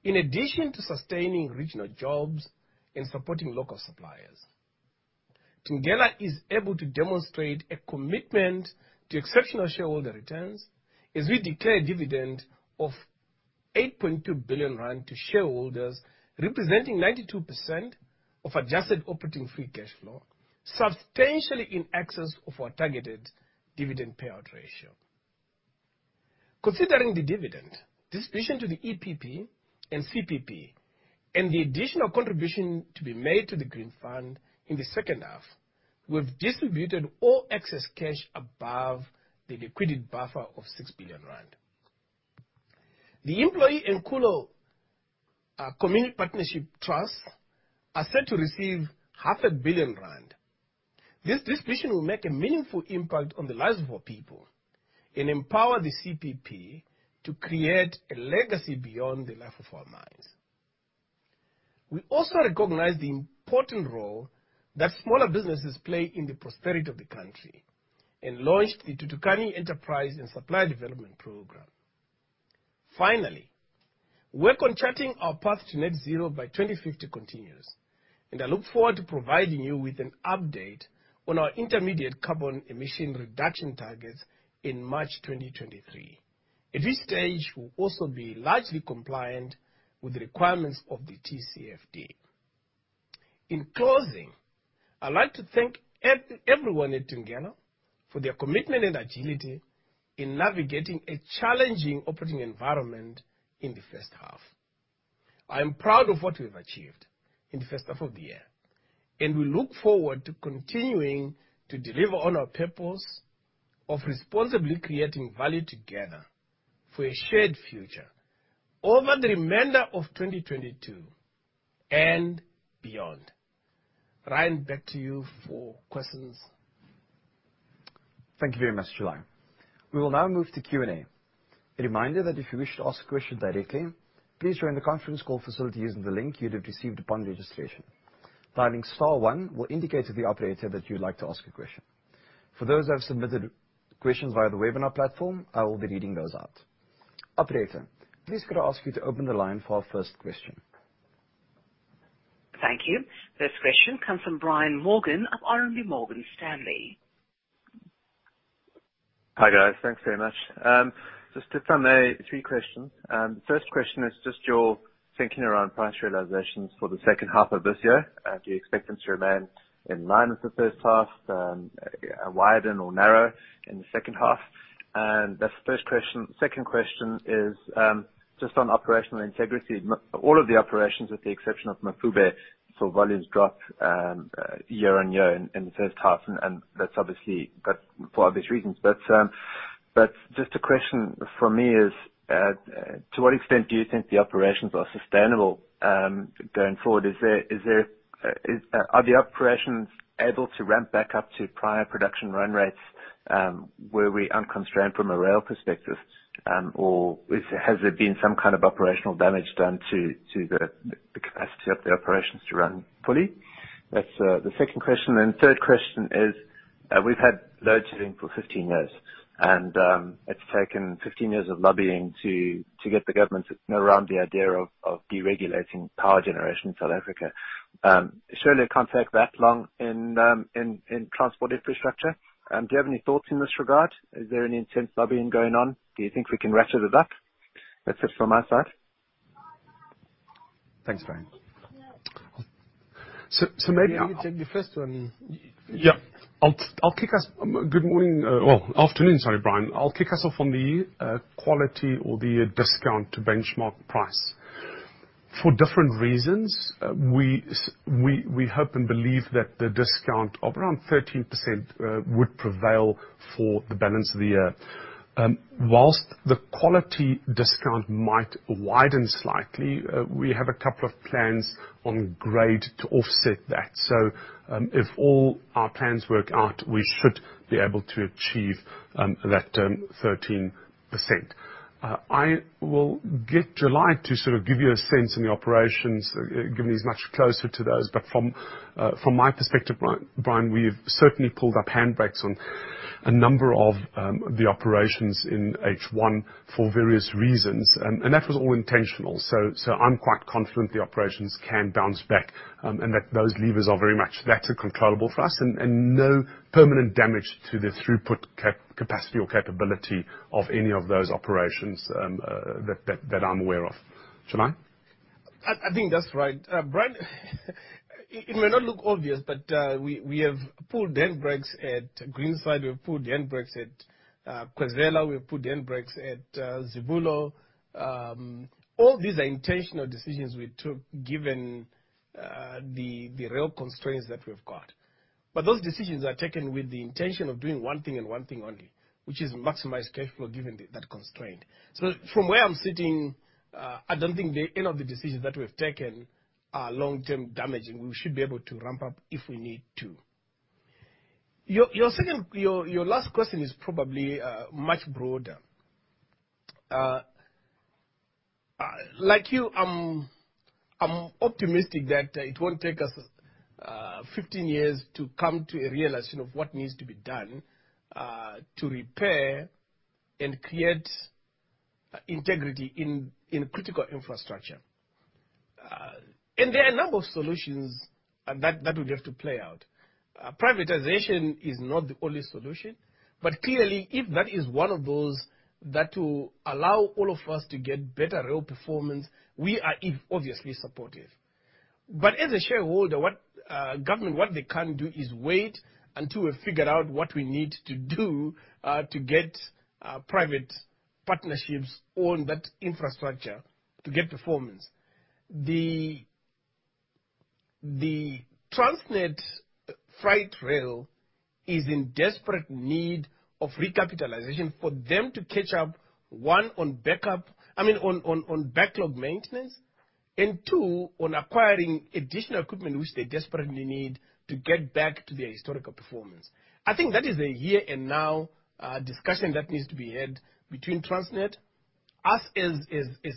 B: in addition to sustaining regional jobs and supporting local suppliers. Thungela is able to demonstrate a commitment to exceptional shareholder returns as we declare a dividend of 8.2 billion rand to shareholders, representing 92% of adjusted operating free cash flow, substantially in excess of our targeted dividend payout ratio. Considering the dividend, distribution to the EPP and CPP and the additional contribution to be made to the Green Fund in the second half, we've distributed all excess cash above the liquidity buffer of 6 billion rand. The Employee and Nkulo Community Partnership Trust are set to receive 500 million rand. This distribution will make a meaningful impact on the lives of our people and empower the CPP to create a legacy beyond the life of our mines. We also recognize the important role that smaller businesses play in the prosperity of the country and launched the Thuthukani enterprise and supplier development program. Finally, work on charting our path to net zero by 2050 continues, and I look forward to providing you with an update on our intermediate carbon emission reduction targets in March 2023. At this stage, we'll also be largely compliant with the requirements of the TCFD. In closing, I'd like to thank everyone at Thungela for their commitment and agility in navigating a challenging operating environment in the first half. I am proud of what we've achieved in the first half of the year, and we look forward to continuing to deliver on our purpose of responsibly creating value together for a shared future over the remainder of 2022 and beyond. Ryan, back to you for questions.
A: Thank you very much, July. We will now move to Q&A. A reminder that if you wish to ask a question directly, please join the conference call facility using the link you'd have received upon registration. Dialing star one will indicate to the operator that you'd like to ask a question. For those that have submitted questions via the webinar platform, I will be reading those out. Operator, please could I ask you to open the line for our first question.
D: Thank you. First question comes from Brian Morgan of RMB Morgan Stanley.
E: Hi, guys. Thanks very much. Just to start with, three questions. The first question is just your thinking around price realizations for the second half of this year. Do you expect them to remain in line with the first half, widen or narrow in the second half? That's the first question. Second question is just on operational integrity. All of the operations, with the exception of Mafube, saw volumes drop year-on-year in the first half, and that's for obvious reasons. Just a question from me is to what extent do you think the operations are sustainable going forward? Are the operations able to ramp back up to prior production run rates, were we unconstrained from a rail perspective, or has there been some kind of operational damage done to the capacity of the operations to run fully? That's the second question. Third question is, we've had load shedding for 15 years, and it's taken 15 years of lobbying to get the government to, you know, around the idea of deregulating power generation in South Africa. Surely it can't take that long in transport infrastructure. Do you have any thoughts in this regard? Is there any intense lobbying going on? Do you think we can ratchet it up? That's it from my side.
C: Thanks, Brian.
B: Maybe you take the first one.
C: Yeah. Good morning. Well, afternoon. Sorry, Brian. I'll kick us off on the quality or the discount to benchmark price. For different reasons, we hope and believe that the discount of around 13% would prevail for the balance of the year. While the quality discount might widen slightly, we have a couple of plans on grade to offset that. If all our plans work out, we should be able to achieve that 13%. I will get July to sort of give you a sense in the operations, given he's much closer to those. From my perspective, Brian, we've certainly pulled up handbrakes on a number of the operations in H1 for various reasons. That was all intentional. I'm quite confident the operations can bounce back, and that those levers are very much that too controllable for us. No permanent damage to the throughput capacity or capability of any of those operations, that I'm aware of. July?
B: I think that's right. Brian, it may not look obvious, but we have pulled handbrakes at Goedehoop, we've pulled handbrakes at Khwezela, we've pulled handbrakes at Zibulo. All these are intentional decisions we took given the real constraints that we've got. Those decisions are taken with the intention of doing one thing and one thing only, which is maximize cash flow given that constraint. From where I'm sitting, I don't think any of the decisions that we've taken are long-term damaging. We should be able to ramp up if we need to. Your last question is probably much broader. Like you, I'm optimistic that it won't take us 15 years to come to a realization of what needs to be done to repair and create integrity in critical infrastructure. There are a number of solutions that would have to play out. Privatization is not the only solution, but clearly, if that is one of those that will allow all of us to get better real performance, we are obviously supportive. As a shareholder, what government can do is wait until we've figured out what we need to do to get private partnerships on that infrastructure to get performance. The Transnet Freight Rail is in desperate need of recapitalization for them to catch up on backlog maintenance. Two, on acquiring additional equipment which they desperately need to get back to their historical performance. I think that is a here and now discussion that needs to be had between Transnet, us as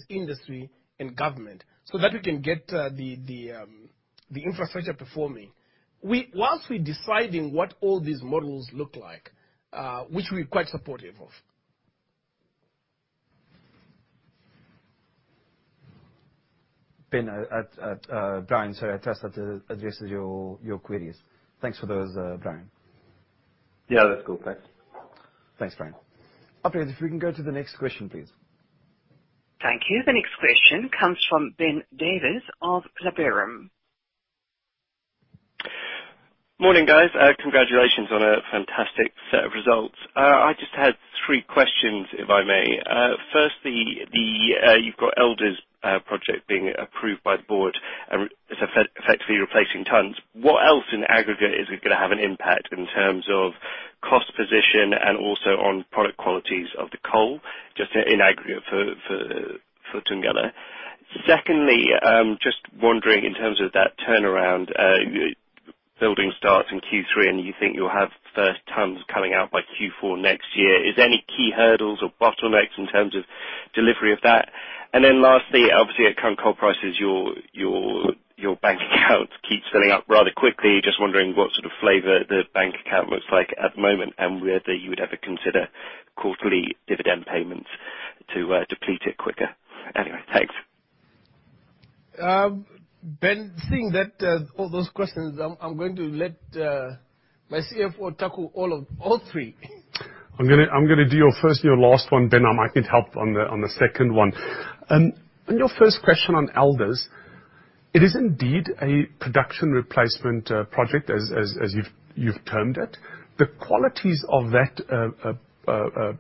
B: industry, and government, so that we can get the infrastructure performing. We while we're deciding what all these models look like, which we're quite supportive of.
C: And Brian. I trust that addresses your queries. Thanks for those, Brian.
B: Yeah, that's cool. Thanks.
C: Thanks, Brian. Operator, if we can go to the next question, please.
D: Thank you. The next question comes from Ben Davis of Liberum.
F: Morning, guys. Congratulations on a fantastic set of results. I just had three questions, if I may. Firstly, you've got Elders project being approved by the board and so effectively replacing tons. What else in aggregate is it gonna have an impact in terms of cost position and also on product qualities of the coal, just in aggregate for Thungela? Secondly, just wondering in terms of that turnaround, building starts in Q3, and you think you'll have first tons coming out by Q4 next year. Is there any key hurdles or bottlenecks in terms of delivery of that? Lastly, obviously at current coal prices, your bank account keeps filling up rather quickly. Just wondering what sort of flavor the bank account looks like at the moment, and whether you would ever consider quarterly dividend payments to deplete it quicker. Anyway, thanks.
B: Ben, seeing that all those questions, I'm going to let my CFO tackle all three.
C: I'm gonna do your first and your last one, Ben. I might need help on the second one. On your first question on Elders, it is indeed a production replacement project, as you've termed it. The qualities of that project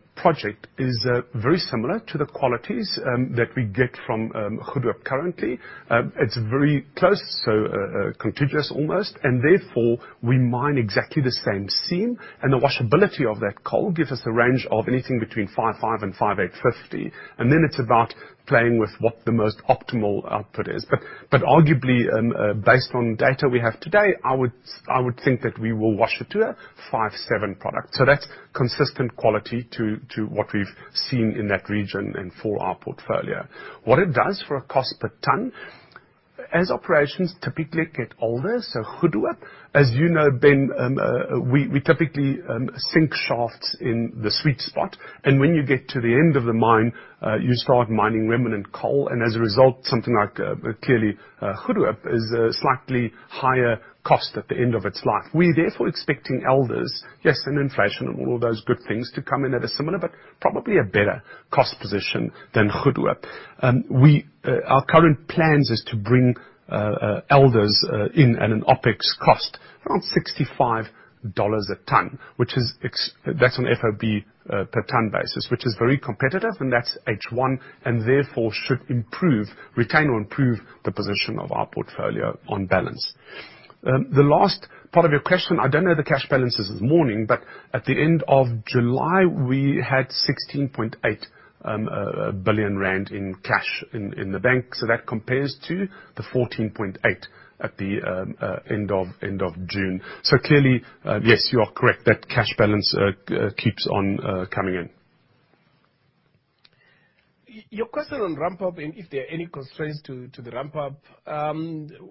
C: is very similar to the qualities that we get from Goedehoop currently. It's very close, so contiguous almost, and therefore we mine exactly the same seam, and the washability of that coal gives us a range of anything between 5.5-5.850. Then it's about playing with what the most optimal output is. But arguably, based on data we have today, I would think that we will wash it to a 5.7 product. That's consistent quality to what we've seen in that region and for our portfolio. What it does for a cost per ton As operations typically get older, so Goedehoop, as you know, Ben, we typically sink shafts in the sweet spot, and when you get to the end of the mine, you start mining remnant coal, and as a result, something like clearly Goedehoop is slightly higher cost at the end of its life. We're therefore expecting Elders, yes, in inflation and all those good things to come in at a similar, but probably a better cost position than Goedehoop. Our current plans is to bring Elders in at an OpEx cost around $65 a ton. That's on FOB per ton basis, which is very competitive, and that's H1, and therefore should improve, retain or improve the position of our portfolio on balance. The last part of your question, I don't know the cash balances this morning, but at the end of July, we had 16.8 billion rand in cash in the bank, so that compares to the 14.8 billion at the end of June. Clearly, yes, you are correct. That cash balance keeps on coming in.
B: Your question on ramp-up and if there are any constraints to the ramp-up,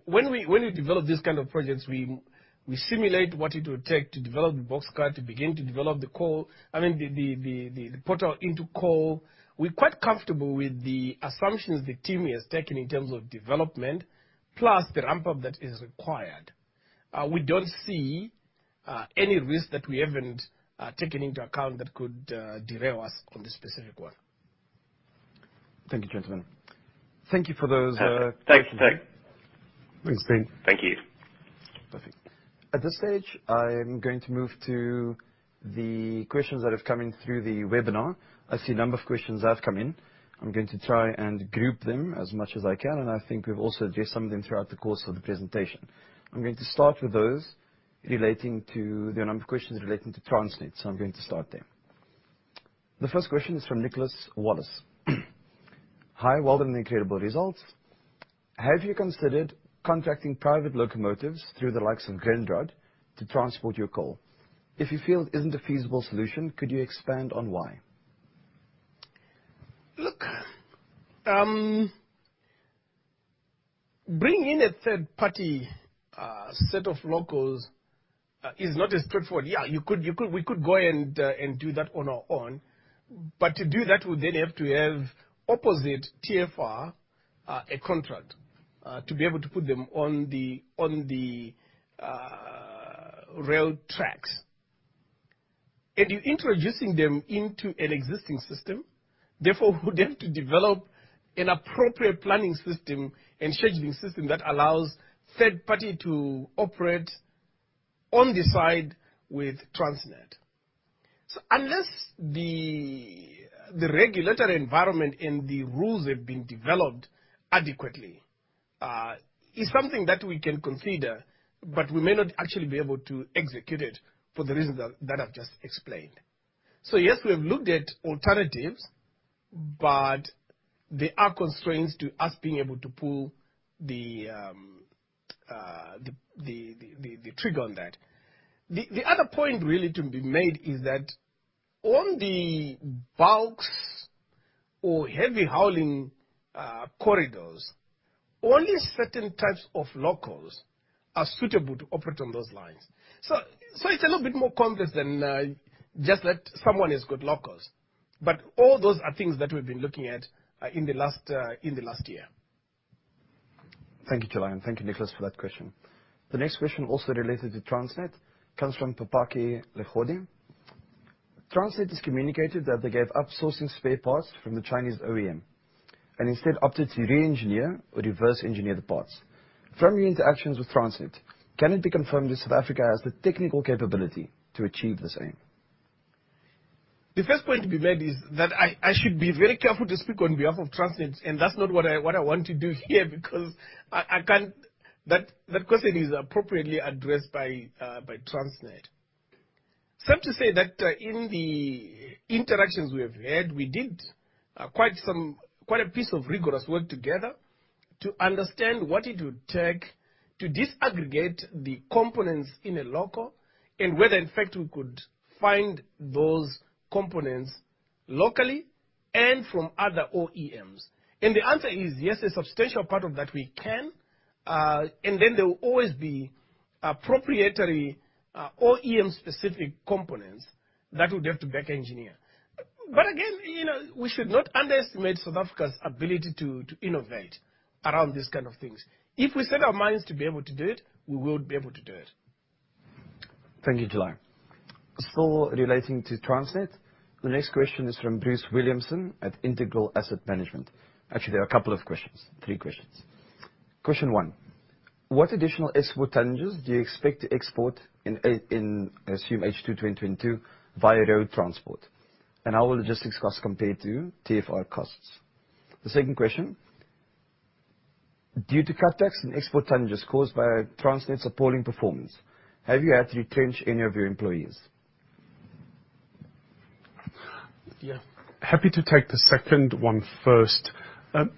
B: when we develop these kind of projects, we simulate what it would take to develop the box cut, to begin to develop the coal. I mean, the portal into coal. We're quite comfortable with the assumptions the team has taken in terms of development plus the ramp-up that is required. We don't see any risk that we haven't taken into account that could derail us on this specific one.
F: Thank you, gentlemen. Thank you for those, Thanks, again.
B: Thanks, Ben.
A: Thank you. Perfect. At this stage, I am going to move to the questions that have come in through the webinar. I see a number of questions that have come in. I'm going to try and group them as much as I can, and I think we've also addressed some of them throughout the course of the presentation. I'm going to start with those relating to the number of questions relating to Transnet, so I'm going to start there. The first question is from Nicholas Wallace. "Hi. Welcome to the incredible results. Have you considered contracting private locomotives through the likes of Grindrod to transport your coal? If you feel it isn't a feasible solution, could you expand on why?
B: Look, bringing in a third-party set of locomotives is not as straightforward. Yeah, we could go and do that on our own. To do that, we'd then have to have a contract with TFR to be able to put them on the rail tracks. You're introducing them into an existing system, therefore we'd have to develop an appropriate planning system and scheduling system that allows third-party to operate alongside Transnet. Unless the regulatory environment and the rules have been developed adequately, it's something that we can consider, but we may not actually be able to execute it for the reasons that I've just explained. Yes, we have looked at alternatives, but there are constraints to us being able to pull the trigger on that. The other point really to be made is that on the bulks or heavy hauling corridors, only certain types of locals are suitable to operate on those lines. It's a little bit more complex than just that someone has got locals. All those are things that we've been looking at in the last year.
A: Thank you, July, and thank you, Nicholas, for that question. The next question, also related to Transnet, comes from Papaki Legodi. Transnet has communicated that they gave up sourcing spare parts from the Chinese OEM and instead opted to re-engineer or reverse engineer the parts. From your interactions with Transnet, can it be confirmed that South Africa has the technical capability to achieve the same?
B: The first point to be made is that I should be very careful to speak on behalf of Transnet, and that's not what I want to do here because I can't. That question is appropriately addressed by Transnet. Suffice to say that in the interactions we have had, we did quite a piece of rigorous work together to understand what it would take to disaggregate the components in a loco and whether in fact we could find those components locally and from other OEMs. The answer is yes, a substantial part of that we can, and then there will always be proprietary OEM-specific components that we'd have to reverse engineer. Again, you know, we should not underestimate South Africa's ability to innovate around these kind of things. If we set our minds to be able to do it, we will be able to do it.
A: Thank you, July. Still relating to Transnet, the next question is from Bruce Williamson at Integral Asset Management. Actually, there are a couple of questions, three questions. Question one: What additional export challenges do you expect in H2 2022 via road transport, and how will logistics costs compare to TFR costs? The second question: Due to cutbacks and export challenges caused by Transnet's appalling performance, have you had to retrench any of your employees?
C: Yeah. Happy to take the second one first.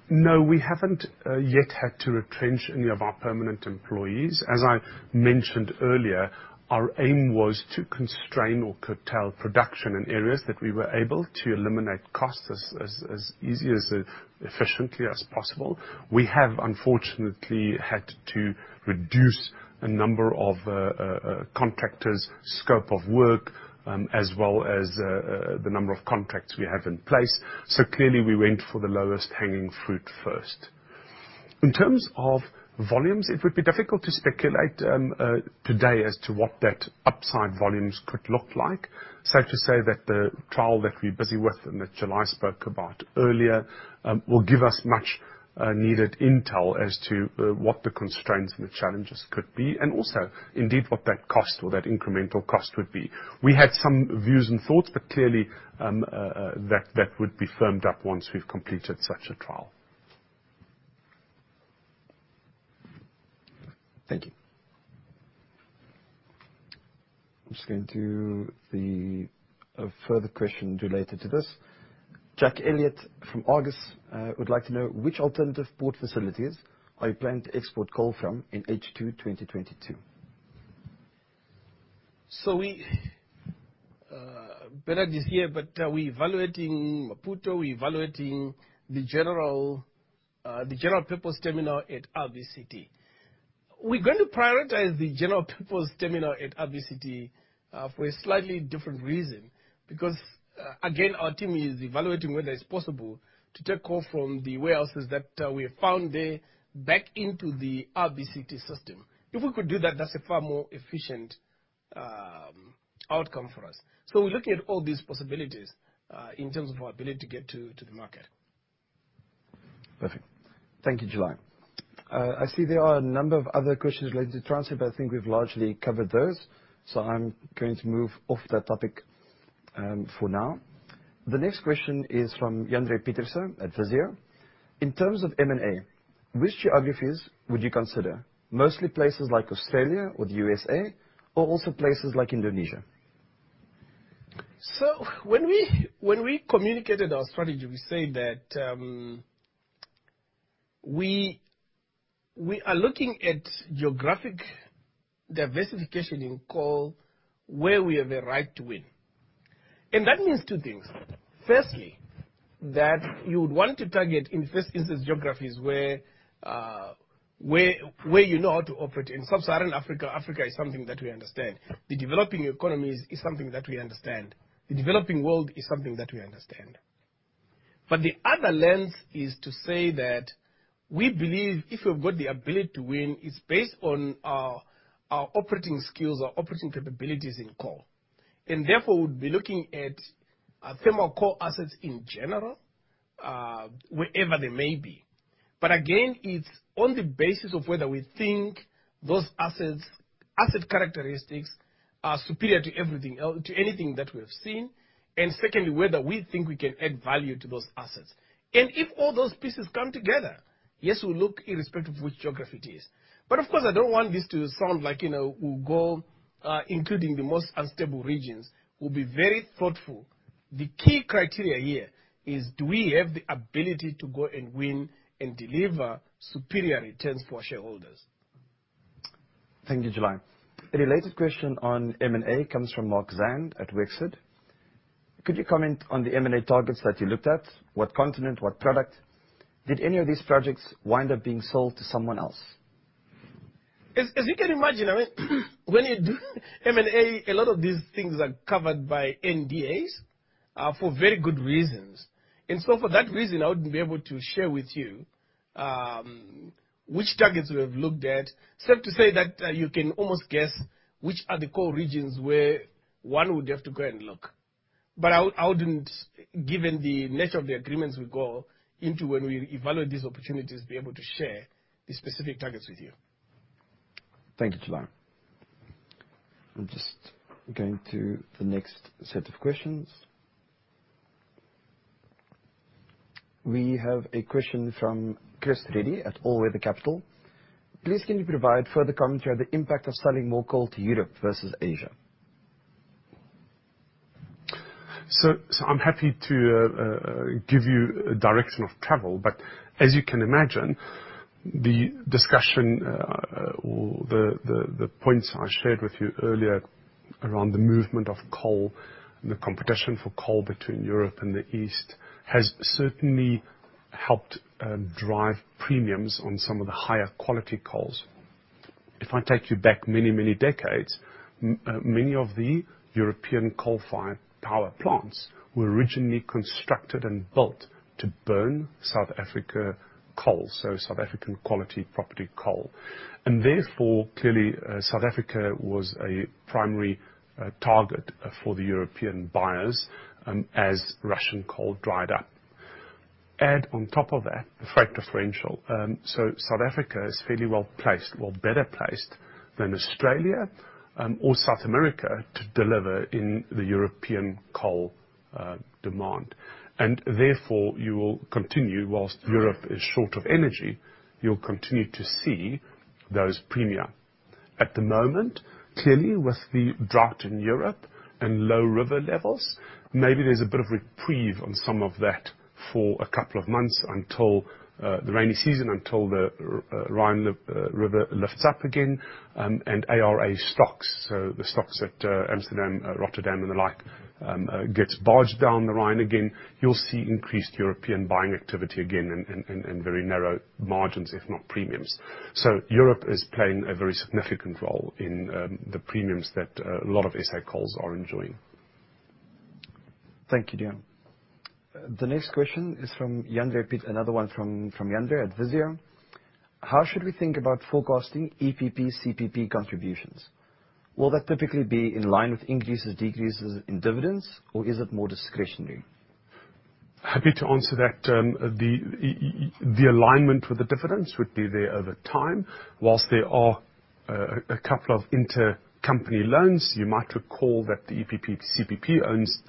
C: No, we haven't yet had to retrench any of our permanent employees. As I mentioned earlier, our aim was to constrain or curtail production in areas that we were able to eliminate costs as easily as efficiently as possible. We have, unfortunately, had to reduce a number of contractors' scope of work, as well as the number of contracts we have in place. Clearly we went for the lowest hanging fruit first. In terms of volumes, it would be difficult to speculate today as to what that upside volumes could look like. Safe to say that the trial that we're busy with, and that July spoke about earlier, will give us much needed intel as to what the constraints and the challenges could be, and also indeed what that cost or that incremental cost would be. We had some views and thoughts, but clearly, that would be firmed up once we've completed such a trial.
A: Thank you. I'm just going to the further question related to this. Jack Elliott from Argus would like to know which alternative port facilities are you planning to export coal from in H2 2022?
B: We better this year, but we evaluating Maputo, the General Purpose Terminal at RBCT. We're gonna prioritize the General Purpose Terminal at RBCT for a slightly different reason because, again, our team is evaluating whether it's possible to take coal from the warehouses that we have found there back into the RBCT system. If we could do that's a far more efficient outcome for us. We're looking at all these possibilities in terms of our ability to get to the market.
A: Perfect. Thank you, July. I see there are a number of other questions related to Transnet, but I think we've largely covered those, so I'm going to move off that topic for now. The next question is from Andre Pieterse at Sasfin. In terms of M&A, which geographies would you consider? Mostly places like Australia or the USA, or also places like Indonesia?
B: When we communicated our strategy, we said that we are looking at geographic diversification in coal where we have a right to win. That means two things. Firstly, that you would want to target, in first instance, geographies where you know how to operate. In Sub-Saharan Africa is something that we understand. The developing economies is something that we understand. The developing world is something that we understand. The other lens is to say that we believe if you've got the ability to win, it's based on our operating skills, our operating capabilities in coal, and therefore we'd be looking at thermal coal assets in general, wherever they may be. Again, it's on the basis of whether we think those assets, asset characteristics are superior to anything that we've seen, and secondly, whether we think we can add value to those assets. If all those pieces come together, yes, we'll look irrespective of which geography it is. Of course, I don't want this to sound like, you know, we'll go, including the most unstable regions. We'll be very thoughtful. The key criteria here is do we have the ability to go and win and deliver superior returns for shareholders?
A: Thank you, July. A related question on M&A comes from Mark Zand at Wexford. Could you comment on the M&A targets that you looked at, what continent, what product? Did any of these projects wind up being sold to someone else?
B: You can imagine, I mean, when you do M&A, a lot of these things are covered by NDAs for very good reasons. For that reason, I wouldn't be able to share with you which targets we have looked at. Safe to say that you can almost guess which are the core regions where one would have to go and look. I wouldn't, given the nature of the agreements we go into when we evaluate these opportunities, be able to share the specific targets with you.
A: Thank you, July. I'm just going to the next set of questions. We have a question from Chris Reddy at All Weather Capital. Please, can you provide further commentary on the impact of selling more coal to Europe versus Asia?
C: I'm happy to give you direction of travel, but as you can imagine, the discussion or the points I shared with you earlier around the movement of coal and the competition for coal between Europe and the East has certainly helped drive premiums on some of the higher quality coals. If I take you back many decades, many of the European coal-fired power plants were originally constructed and built to burn South Africa coal, so South African quality property coal. Therefore, clearly, South Africa was a primary target for the European buyers, as Russian coal dried up. Add on top of that the freight differential, so South Africa is fairly well-placed or better placed than Australia, or South America to deliver in the European coal demand. Therefore, you will continue, while Europe is short of energy, you'll continue to see those premiums. At the moment, clearly with the drought in Europe and low river levels, maybe there's a bit of reprieve on some of that for a couple of months until the rainy season, until the Rhine river lifts up again, and ARA stocks. The stocks at Amsterdam, Rotterdam and the like gets barged down the Rhine again. You'll see increased European buying activity again and very narrow margins, if not premiums. Europe is playing a very significant role in the premiums that a lot of SA coals are enjoying.
A: Thank you, Deon. The next question is from Yatish Chowthee, another one from Yatish Chowthee at Visio. How should we think about forecasting EPP, CPP contributions? Will that typically be in line with increases or decreases in dividends, or is it more discretionary?
C: Happy to answer that. The alignment with the dividends would be there over time. While there are a couple of intercompany loans, you might recall that the EPP, CPP owns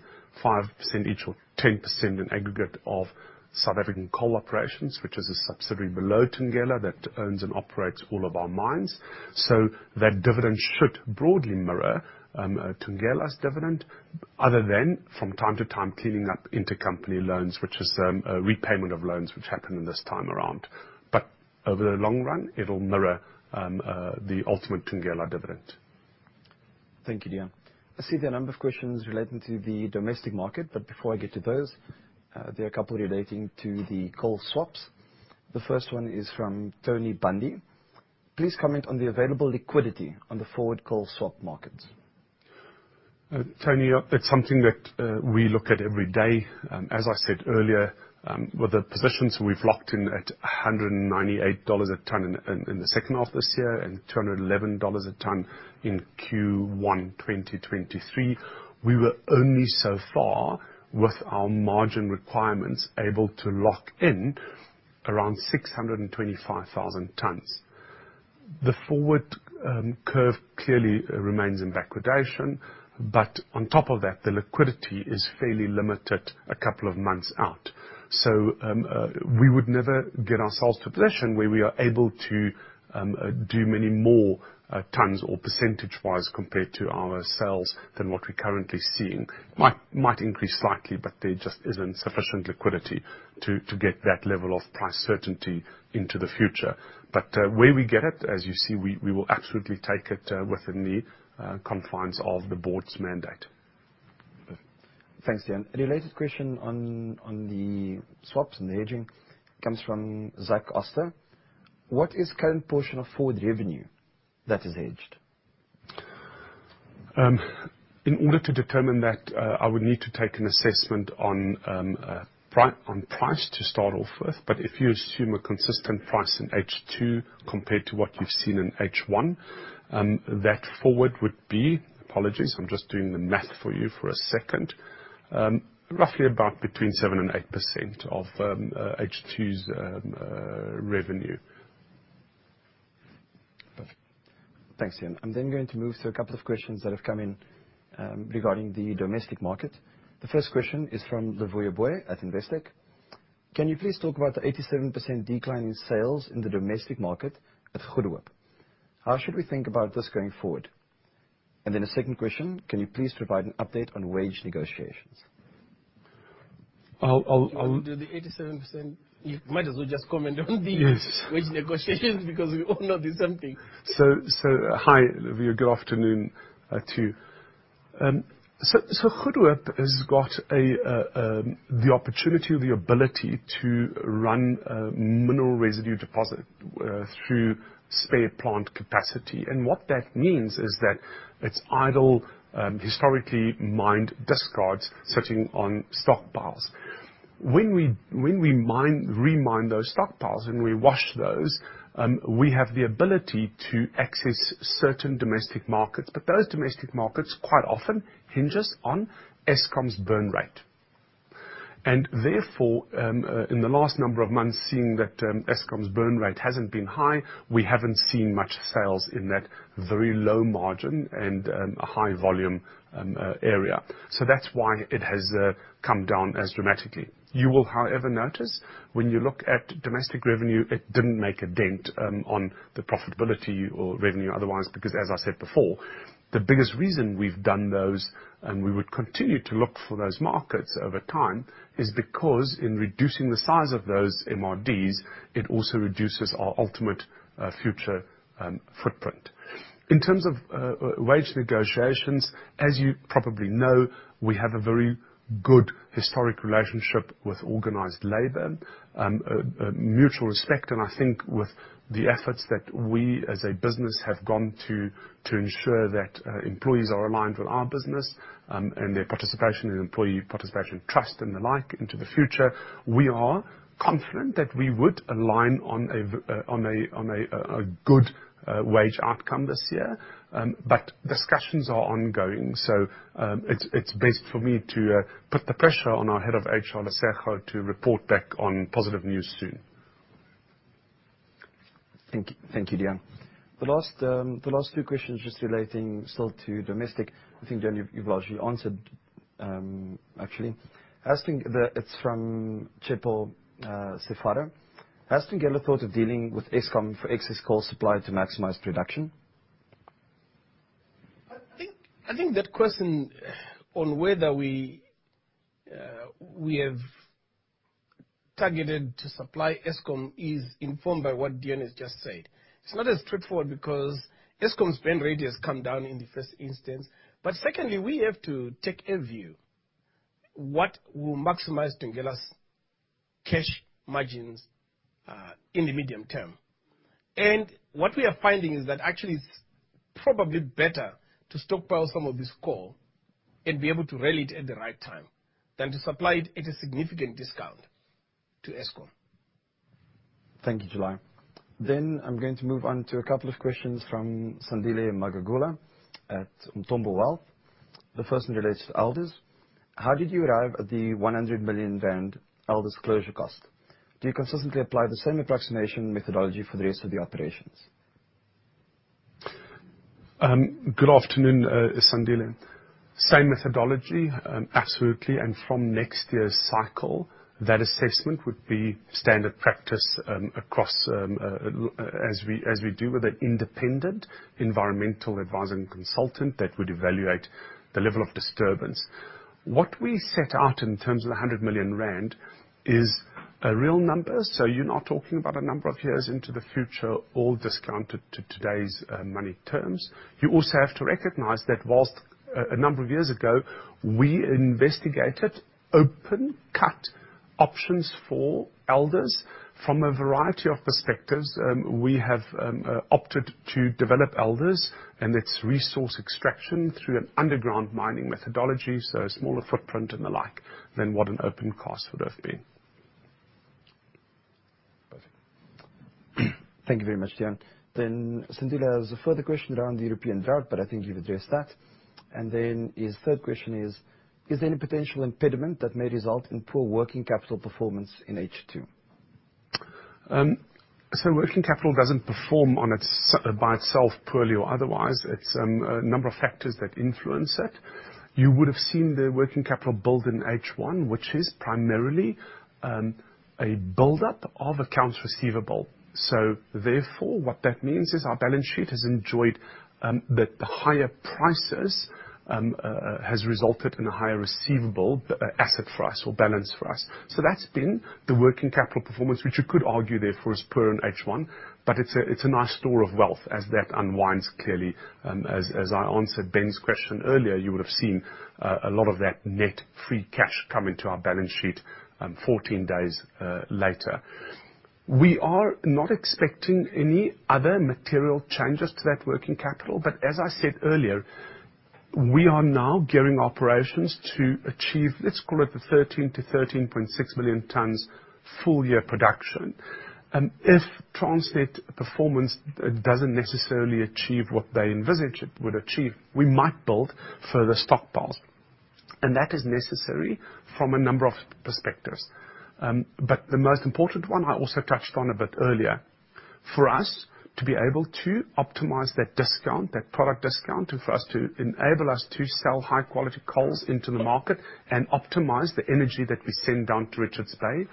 C: 5% each, or 10% in aggregate of South Africa Coal Operations, which is a subsidiary below Thungela that owns and operates all of our mines. That dividend should broadly mirror Thungela's dividend other than from time to time cleaning up intercompany loans, which is a repayment of loans which happened in this time around. Over the long run, it'll mirror the ultimate Thungela dividend.
A: Thank you, Deon. I see there are a number of questions relating to the domestic market, but before I get to those, there are a couple relating to the coal swaps. The first one is from Tony Bundy. Please comment on the available liquidity on the forward coal swap markets.
C: Tony, that's something that we look at every day. As I said earlier, with the positions we've locked in at $198 a ton in the second half this year and $211 a ton in Q1, 2023, we were only so far with our margin requirements able to lock in around 625,000 tons. The forward curve clearly remains in backwardation, but on top of that, the liquidity is fairly limited a couple of months out. We would never get ourselves to a position where we are able to do many more tons or percentage-wise compared to our sales than what we're currently seeing. Might increase slightly, but there just isn't sufficient liquidity to get that level of price certainty into the future. Where we get it, as you see, we will absolutely take it within the confines of the board's mandate.
A: Thanks, Deon. A related question on the swaps and the aging comes from Zach Oster. What is current portion of forward revenue that is aged?
C: In order to determine that, I would need to take an assessment on price to start off with. If you assume a consistent price in H2 compared to what you've seen in H1, that forward would be. Apologies, I'm just doing the math for you for a second. Roughly about between 7% and 8% of H2's revenue.
A: Perfect. Thanks, Deon. I'm then going to move to a couple of questions that have come in, regarding the domestic market. The first question is from Livhuwani Dada at Investec. Can you please talk about the 87% decline in sales in the domestic market at Goedehoop? How should we think about this going forward? A second question, can you please provide an update on wage negotiations?
C: I'll
B: You wanna do the 87%? You might as well just comment on the.
C: Yes.
B: Wage negotiations because we all know the same thing.
C: Hi, Livhuwani. Good afternoon to you. Goedehoop has got the opportunity or the ability to run a mineral residue deposit through spare plant capacity, and what that means is that it's idle historically mined discards sitting on stockpiles. When we mine those stockpiles and we wash those, we have the ability to access certain domestic markets, but those domestic markets quite often hinges on Eskom's burn rate. Therefore, in the last number of months, seeing that Eskom's burn rate hasn't been high, we haven't seen much sales in that very low margin and a high volume area. That's why it has come down as dramatically. You will, however, notice when you look at domestic revenue, it didn't make a dent on the profitability or revenue otherwise, because as I said before, the biggest reason we've done those, and we would continue to look for those markets over time, is because in reducing the size of those MRDs, it also reduces our ultimate future footprint. In terms of wage negotiations, as you probably know, we have a very good historic relationship with organized labor, mutual respect, and I think with the efforts that we as a business have gone to ensure that employees are aligned with our business, and their participation in employee participation trust and the like into the future, we are confident that we would align on a good wage outcome this year. Discussions are ongoing, so it's best for me to put the pressure on our head of HR, Lesego, to report back on positive news soon.
A: Thank you, Deon. The last two questions just relating still to domestic. I think, Deon, you've largely answered, actually. It's from Tshepo TSefolo. Has Thungela thought of dealing with Eskom for excess coal supply to maximize production?
B: I think that question on whether we have targeted to supply Eskom is informed by what Deon has just said. It's not as straightforward because Eskom's burn rate has come down in the first instance. Secondly, we have to take a view what will maximize Thungela's cash margins in the medium term. What we are finding is that actually it's probably better to stockpile some of this coal and be able to sell it at the right time than to supply it at a significant discount to Eskom.
A: Thank you, July Ndlovu. I'm going to move on to a couple of questions from Sandile Magagula at Umthombo Wealth. The first one relates to Elders. How did you arrive at the 100 million rand Elders closure cost? Do you consistently apply the same approximation methodology for the rest of the operations?
C: Good afternoon, Sandile. Same methodology, absolutely, and from next year's cycle, that assessment would be standard practice across, as we do with an independent environmental advising consultant that would evaluate the level of disturbance. What we set out in terms of 100 million rand is a real number, so you're not talking about a number of years into the future all discounted to today's money terms. You also have to recognize that while a number of years ago we investigated open cut options for Elders from a variety of perspectives, we have opted to develop Elders and its resource extraction through an underground mining methodology, so a smaller footprint and the like than what an open cut would have been.
A: Perfect. Thank you very much, Deon. Sandile has a further question around the European drought, but I think you've addressed that. His third question is there any potential impediment that may result in poor working capital performance in H2?
C: Working capital doesn't perform by itself poorly or otherwise. It's a number of factors that influence it. You would have seen the working capital build in H1, which is primarily a build-up of accounts receivable. Therefore, what that means is our balance sheet has enjoyed the higher prices has resulted in a higher receivable asset for us or balance for us. That's been the working capital performance, which you could argue therefore is poor in H1, but it's a nice store of wealth as that unwinds clearly. As I answered Ben's question earlier, you would have seen a lot of that net free cash come into our balance sheet 14 days later. We are not expecting any other material changes to that working capital, but as I said earlier, we are now gearing operations to achieve, let's call it the 13 million-13.6 million tons full year production. If Transnet performance doesn't necessarily achieve what they envisage it would achieve, we might build further stockpiles. That is necessary from a number of perspectives. The most important one I also touched on a bit earlier, for us to be able to optimize that discount, that product discount, and for us to enable us to sell high quality coals into the market and optimize the energy that we send down to Richards Bay,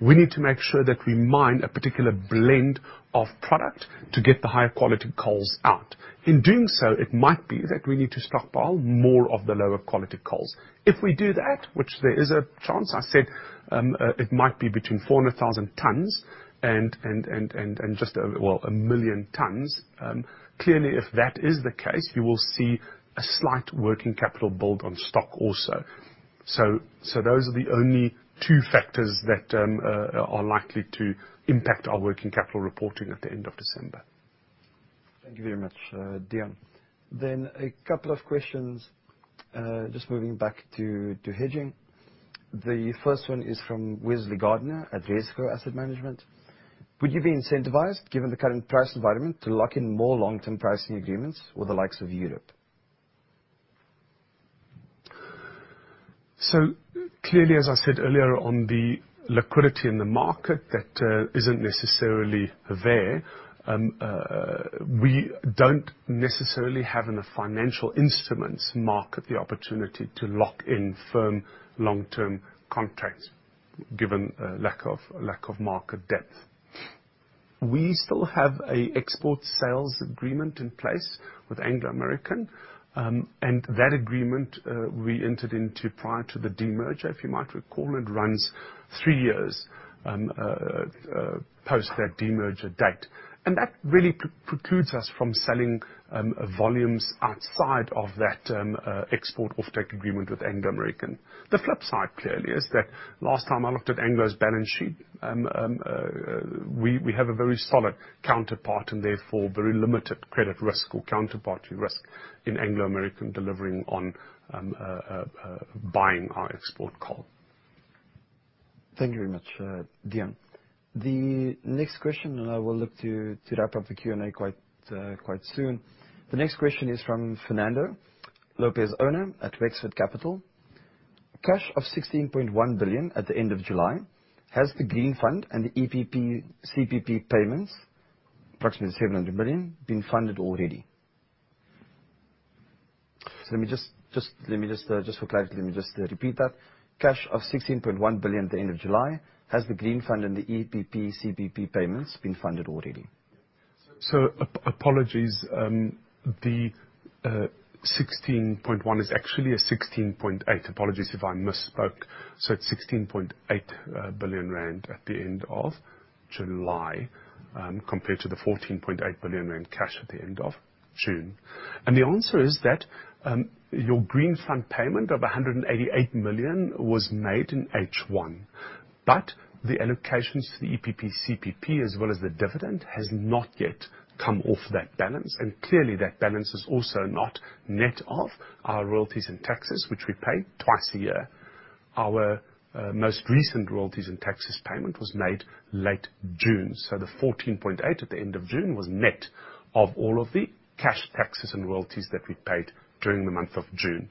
C: we need to make sure that we mine a particular blend of product to get the higher quality coals out. In doing so, it might be that we need to stockpile more of the lower quality coals. If we do that, which there is a chance, I said, it might be between 400,000 tons and just, well, 1,000,000 tons. Clearly, if that is the case, you will see a slight working capital build on stock also. So those are the only two factors that are likely to impact our working capital reporting at the end of December.
A: Thank you very much, Deon. A couple of questions, just moving back to hedging. The first one is from Wesley Gore at WCM Investment Management. Would you be incentivized, given the current price environment, to lock in more long-term pricing agreements with the likes of Europe?
C: Clearly, as I said earlier on the liquidity in the market that isn't necessarily there, we don't necessarily have in a financial instruments market the opportunity to lock in firm long-term contracts, given a lack of market depth. We still have an export sales agreement in place with Anglo American, and that agreement we entered into prior to the demerger, if you might recall. It runs three years post that demerger date. That really precludes us from selling volumes outside of that export offtake agreement with Anglo American. The flip side, clearly, is that last time I looked at Anglo's balance sheet, we have a very solid counterparty and therefore very limited credit risk or counterparty risk in Anglo American delivering on buying our export coal.
A: Thank you very much, Deon. The next question, and I will look to wrap up the Q&A quite soon. The next question is from Fernando Lopez-Oña at Wexford Capital. Cash of 16.1 billion at the end of July. Has the Green Fund and the EPP, CPP payments, approximately 700 million, been funded already? Let me just for clarity, let me just repeat that. Cash of 16.1 billion at the end of July. Has the Green Fund and the EPP, CPP payments been funded already?
C: Apologies. The 16.1 is actually a 16.8. Apologies if I misspoke. It's 16.8 billion rand at the end of July, compared to the 14.8 billion rand in cash at the end of June. The answer is that your Green Fund payment of 188 million was made in H1, but the allocations to the EPP, CPP, as well as the dividend, has not yet come off that balance. Clearly that balance is also not net of our royalties and taxes, which we pay twice a year. Our most recent royalties and taxes payment was made late June, so the 14.8 at the end of June was net of all of the cash taxes and royalties that we paid during the month of June.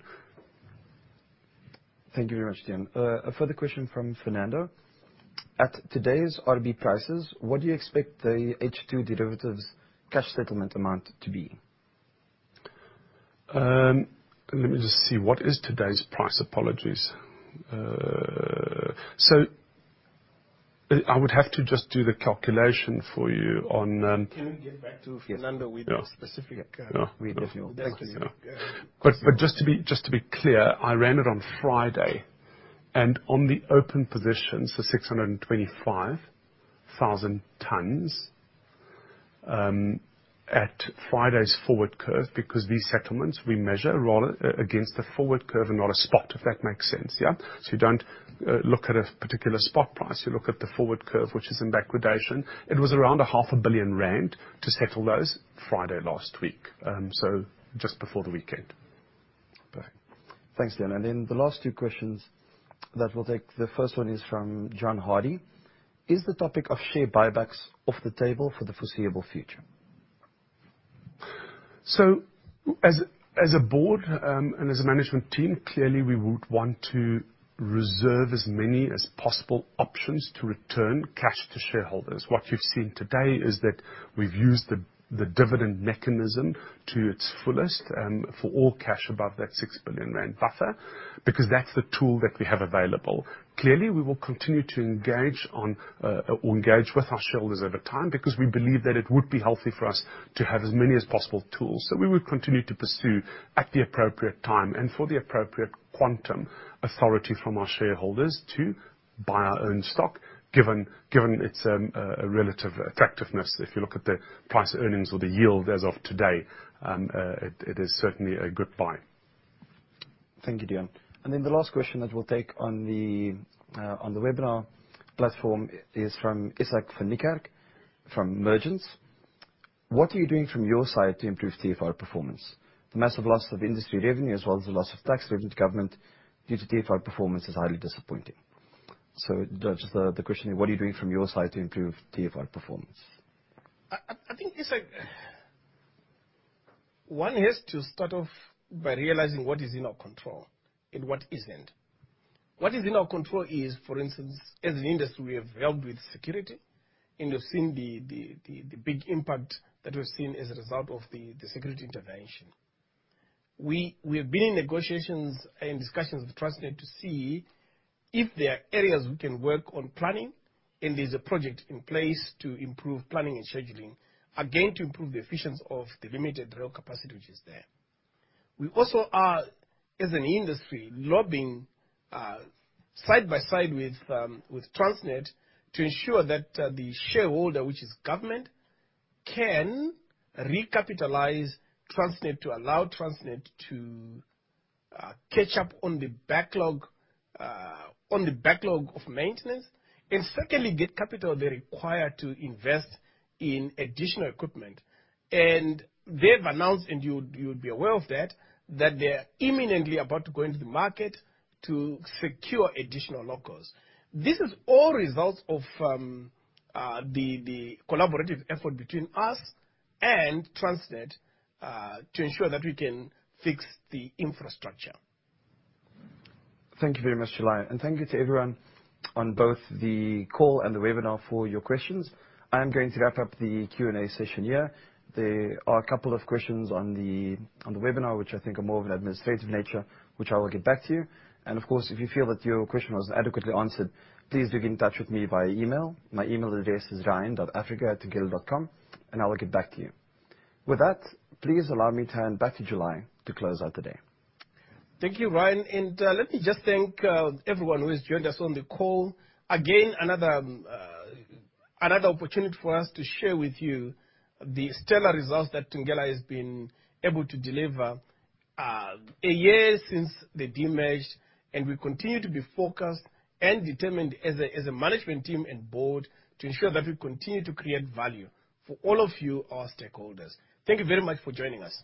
A: Thank you very much, Deon. A further question from Fernando. At today's RB prices, what do you expect the H2 derivatives cash settlement amount to be?
C: Let me just see what is today's price. Apologies. I would have to just do the calculation for you on,
A: Can we get back to Fernando with the specific we give you?
C: Yeah. Just to be clear, I ran it on Friday, and on the open positions, the 625,000 tons, at Friday's forward curve, because these settlements we measure rather against the forward curve and not a spot, if that makes sense. Yeah. You don't look at a particular spot price. You look at the forward curve, which is in backwardation. It was around 500 million rand to settle those Friday last week. Just before the weekend.
A: Perfect. Thanks, Deon. The last two questions that we'll take. The first one is from John Hardy: Is the topic of share buybacks off the table for the foreseeable future?
C: As a board and as a management team, clearly we would want to reserve as many as possible options to return cash to shareholders. What you've seen today is that we've used the dividend mechanism to its fullest for all cash above that 6 billion rand buffer, because that's the tool that we have available. Clearly, we will continue to engage with our shareholders over time because we believe that it would be healthy for us to have as many as possible tools that we would continue to pursue at the appropriate time and for the appropriate quantum authority from our shareholders to buy our own stock. Given its relative attractiveness, if you look at the price earnings or the yield as of today, it is certainly a good buy.
A: Thank you, Deon. The last question that we'll take on the webinar platform is from Izak van Niekerk from Mergence: What are you doing from your side to improve TFR performance? The massive loss of industry revenue as well as the loss of tax revenue to government due to TFR performance is highly disappointing. Just the question, what are you doing from your side to improve TFR performance?
B: I think, Izak, one has to start off by realizing what is in our control and what isn't. What is in our control is, for instance, as an industry, we have helped with security, and we've seen the big impact that we've seen as a result of the security intervention. We have been in negotiations and discussions with Transnet to see if there are areas we can work on planning, and there's a project in place to improve planning and scheduling, again, to improve the efficiency of the limited rail capacity which is there. We also are, as an industry, lobbying side by side with Transnet to ensure that the shareholder, which is government, can recapitalize Transnet to allow Transnet to catch up on the backlog of maintenance, and secondly, get capital they require to invest in additional equipment. They've announced, you would be aware of that they're imminently about to go into the market to secure additional locos. This is all results of the collaborative effort between us and Transnet to ensure that we can fix the infrastructure.
A: Thank you very much, July. Thank you to everyone on both the call and the webinar for your questions. I am going to wrap up the Q&A session here. There are a couple of questions on the webinar, which I think are more of an administrative nature, which I will get back to you. Of course, if you feel that your question wasn't adequately answered, please do get in touch with me via email. My email address is ryan.africa@thungela.com, and I will get back to you. With that, please allow me to hand back to July to close out the day.
B: Thank you, Ryan, and let me just thank everyone who has joined us on the call. Again, another opportunity for us to share with you the stellar results that Thungela has been able to deliver, a year since the demerger, and we continue to be focused and determined as a management team and board to ensure that we continue to create value for all of you, our stakeholders. Thank you very much for joining us.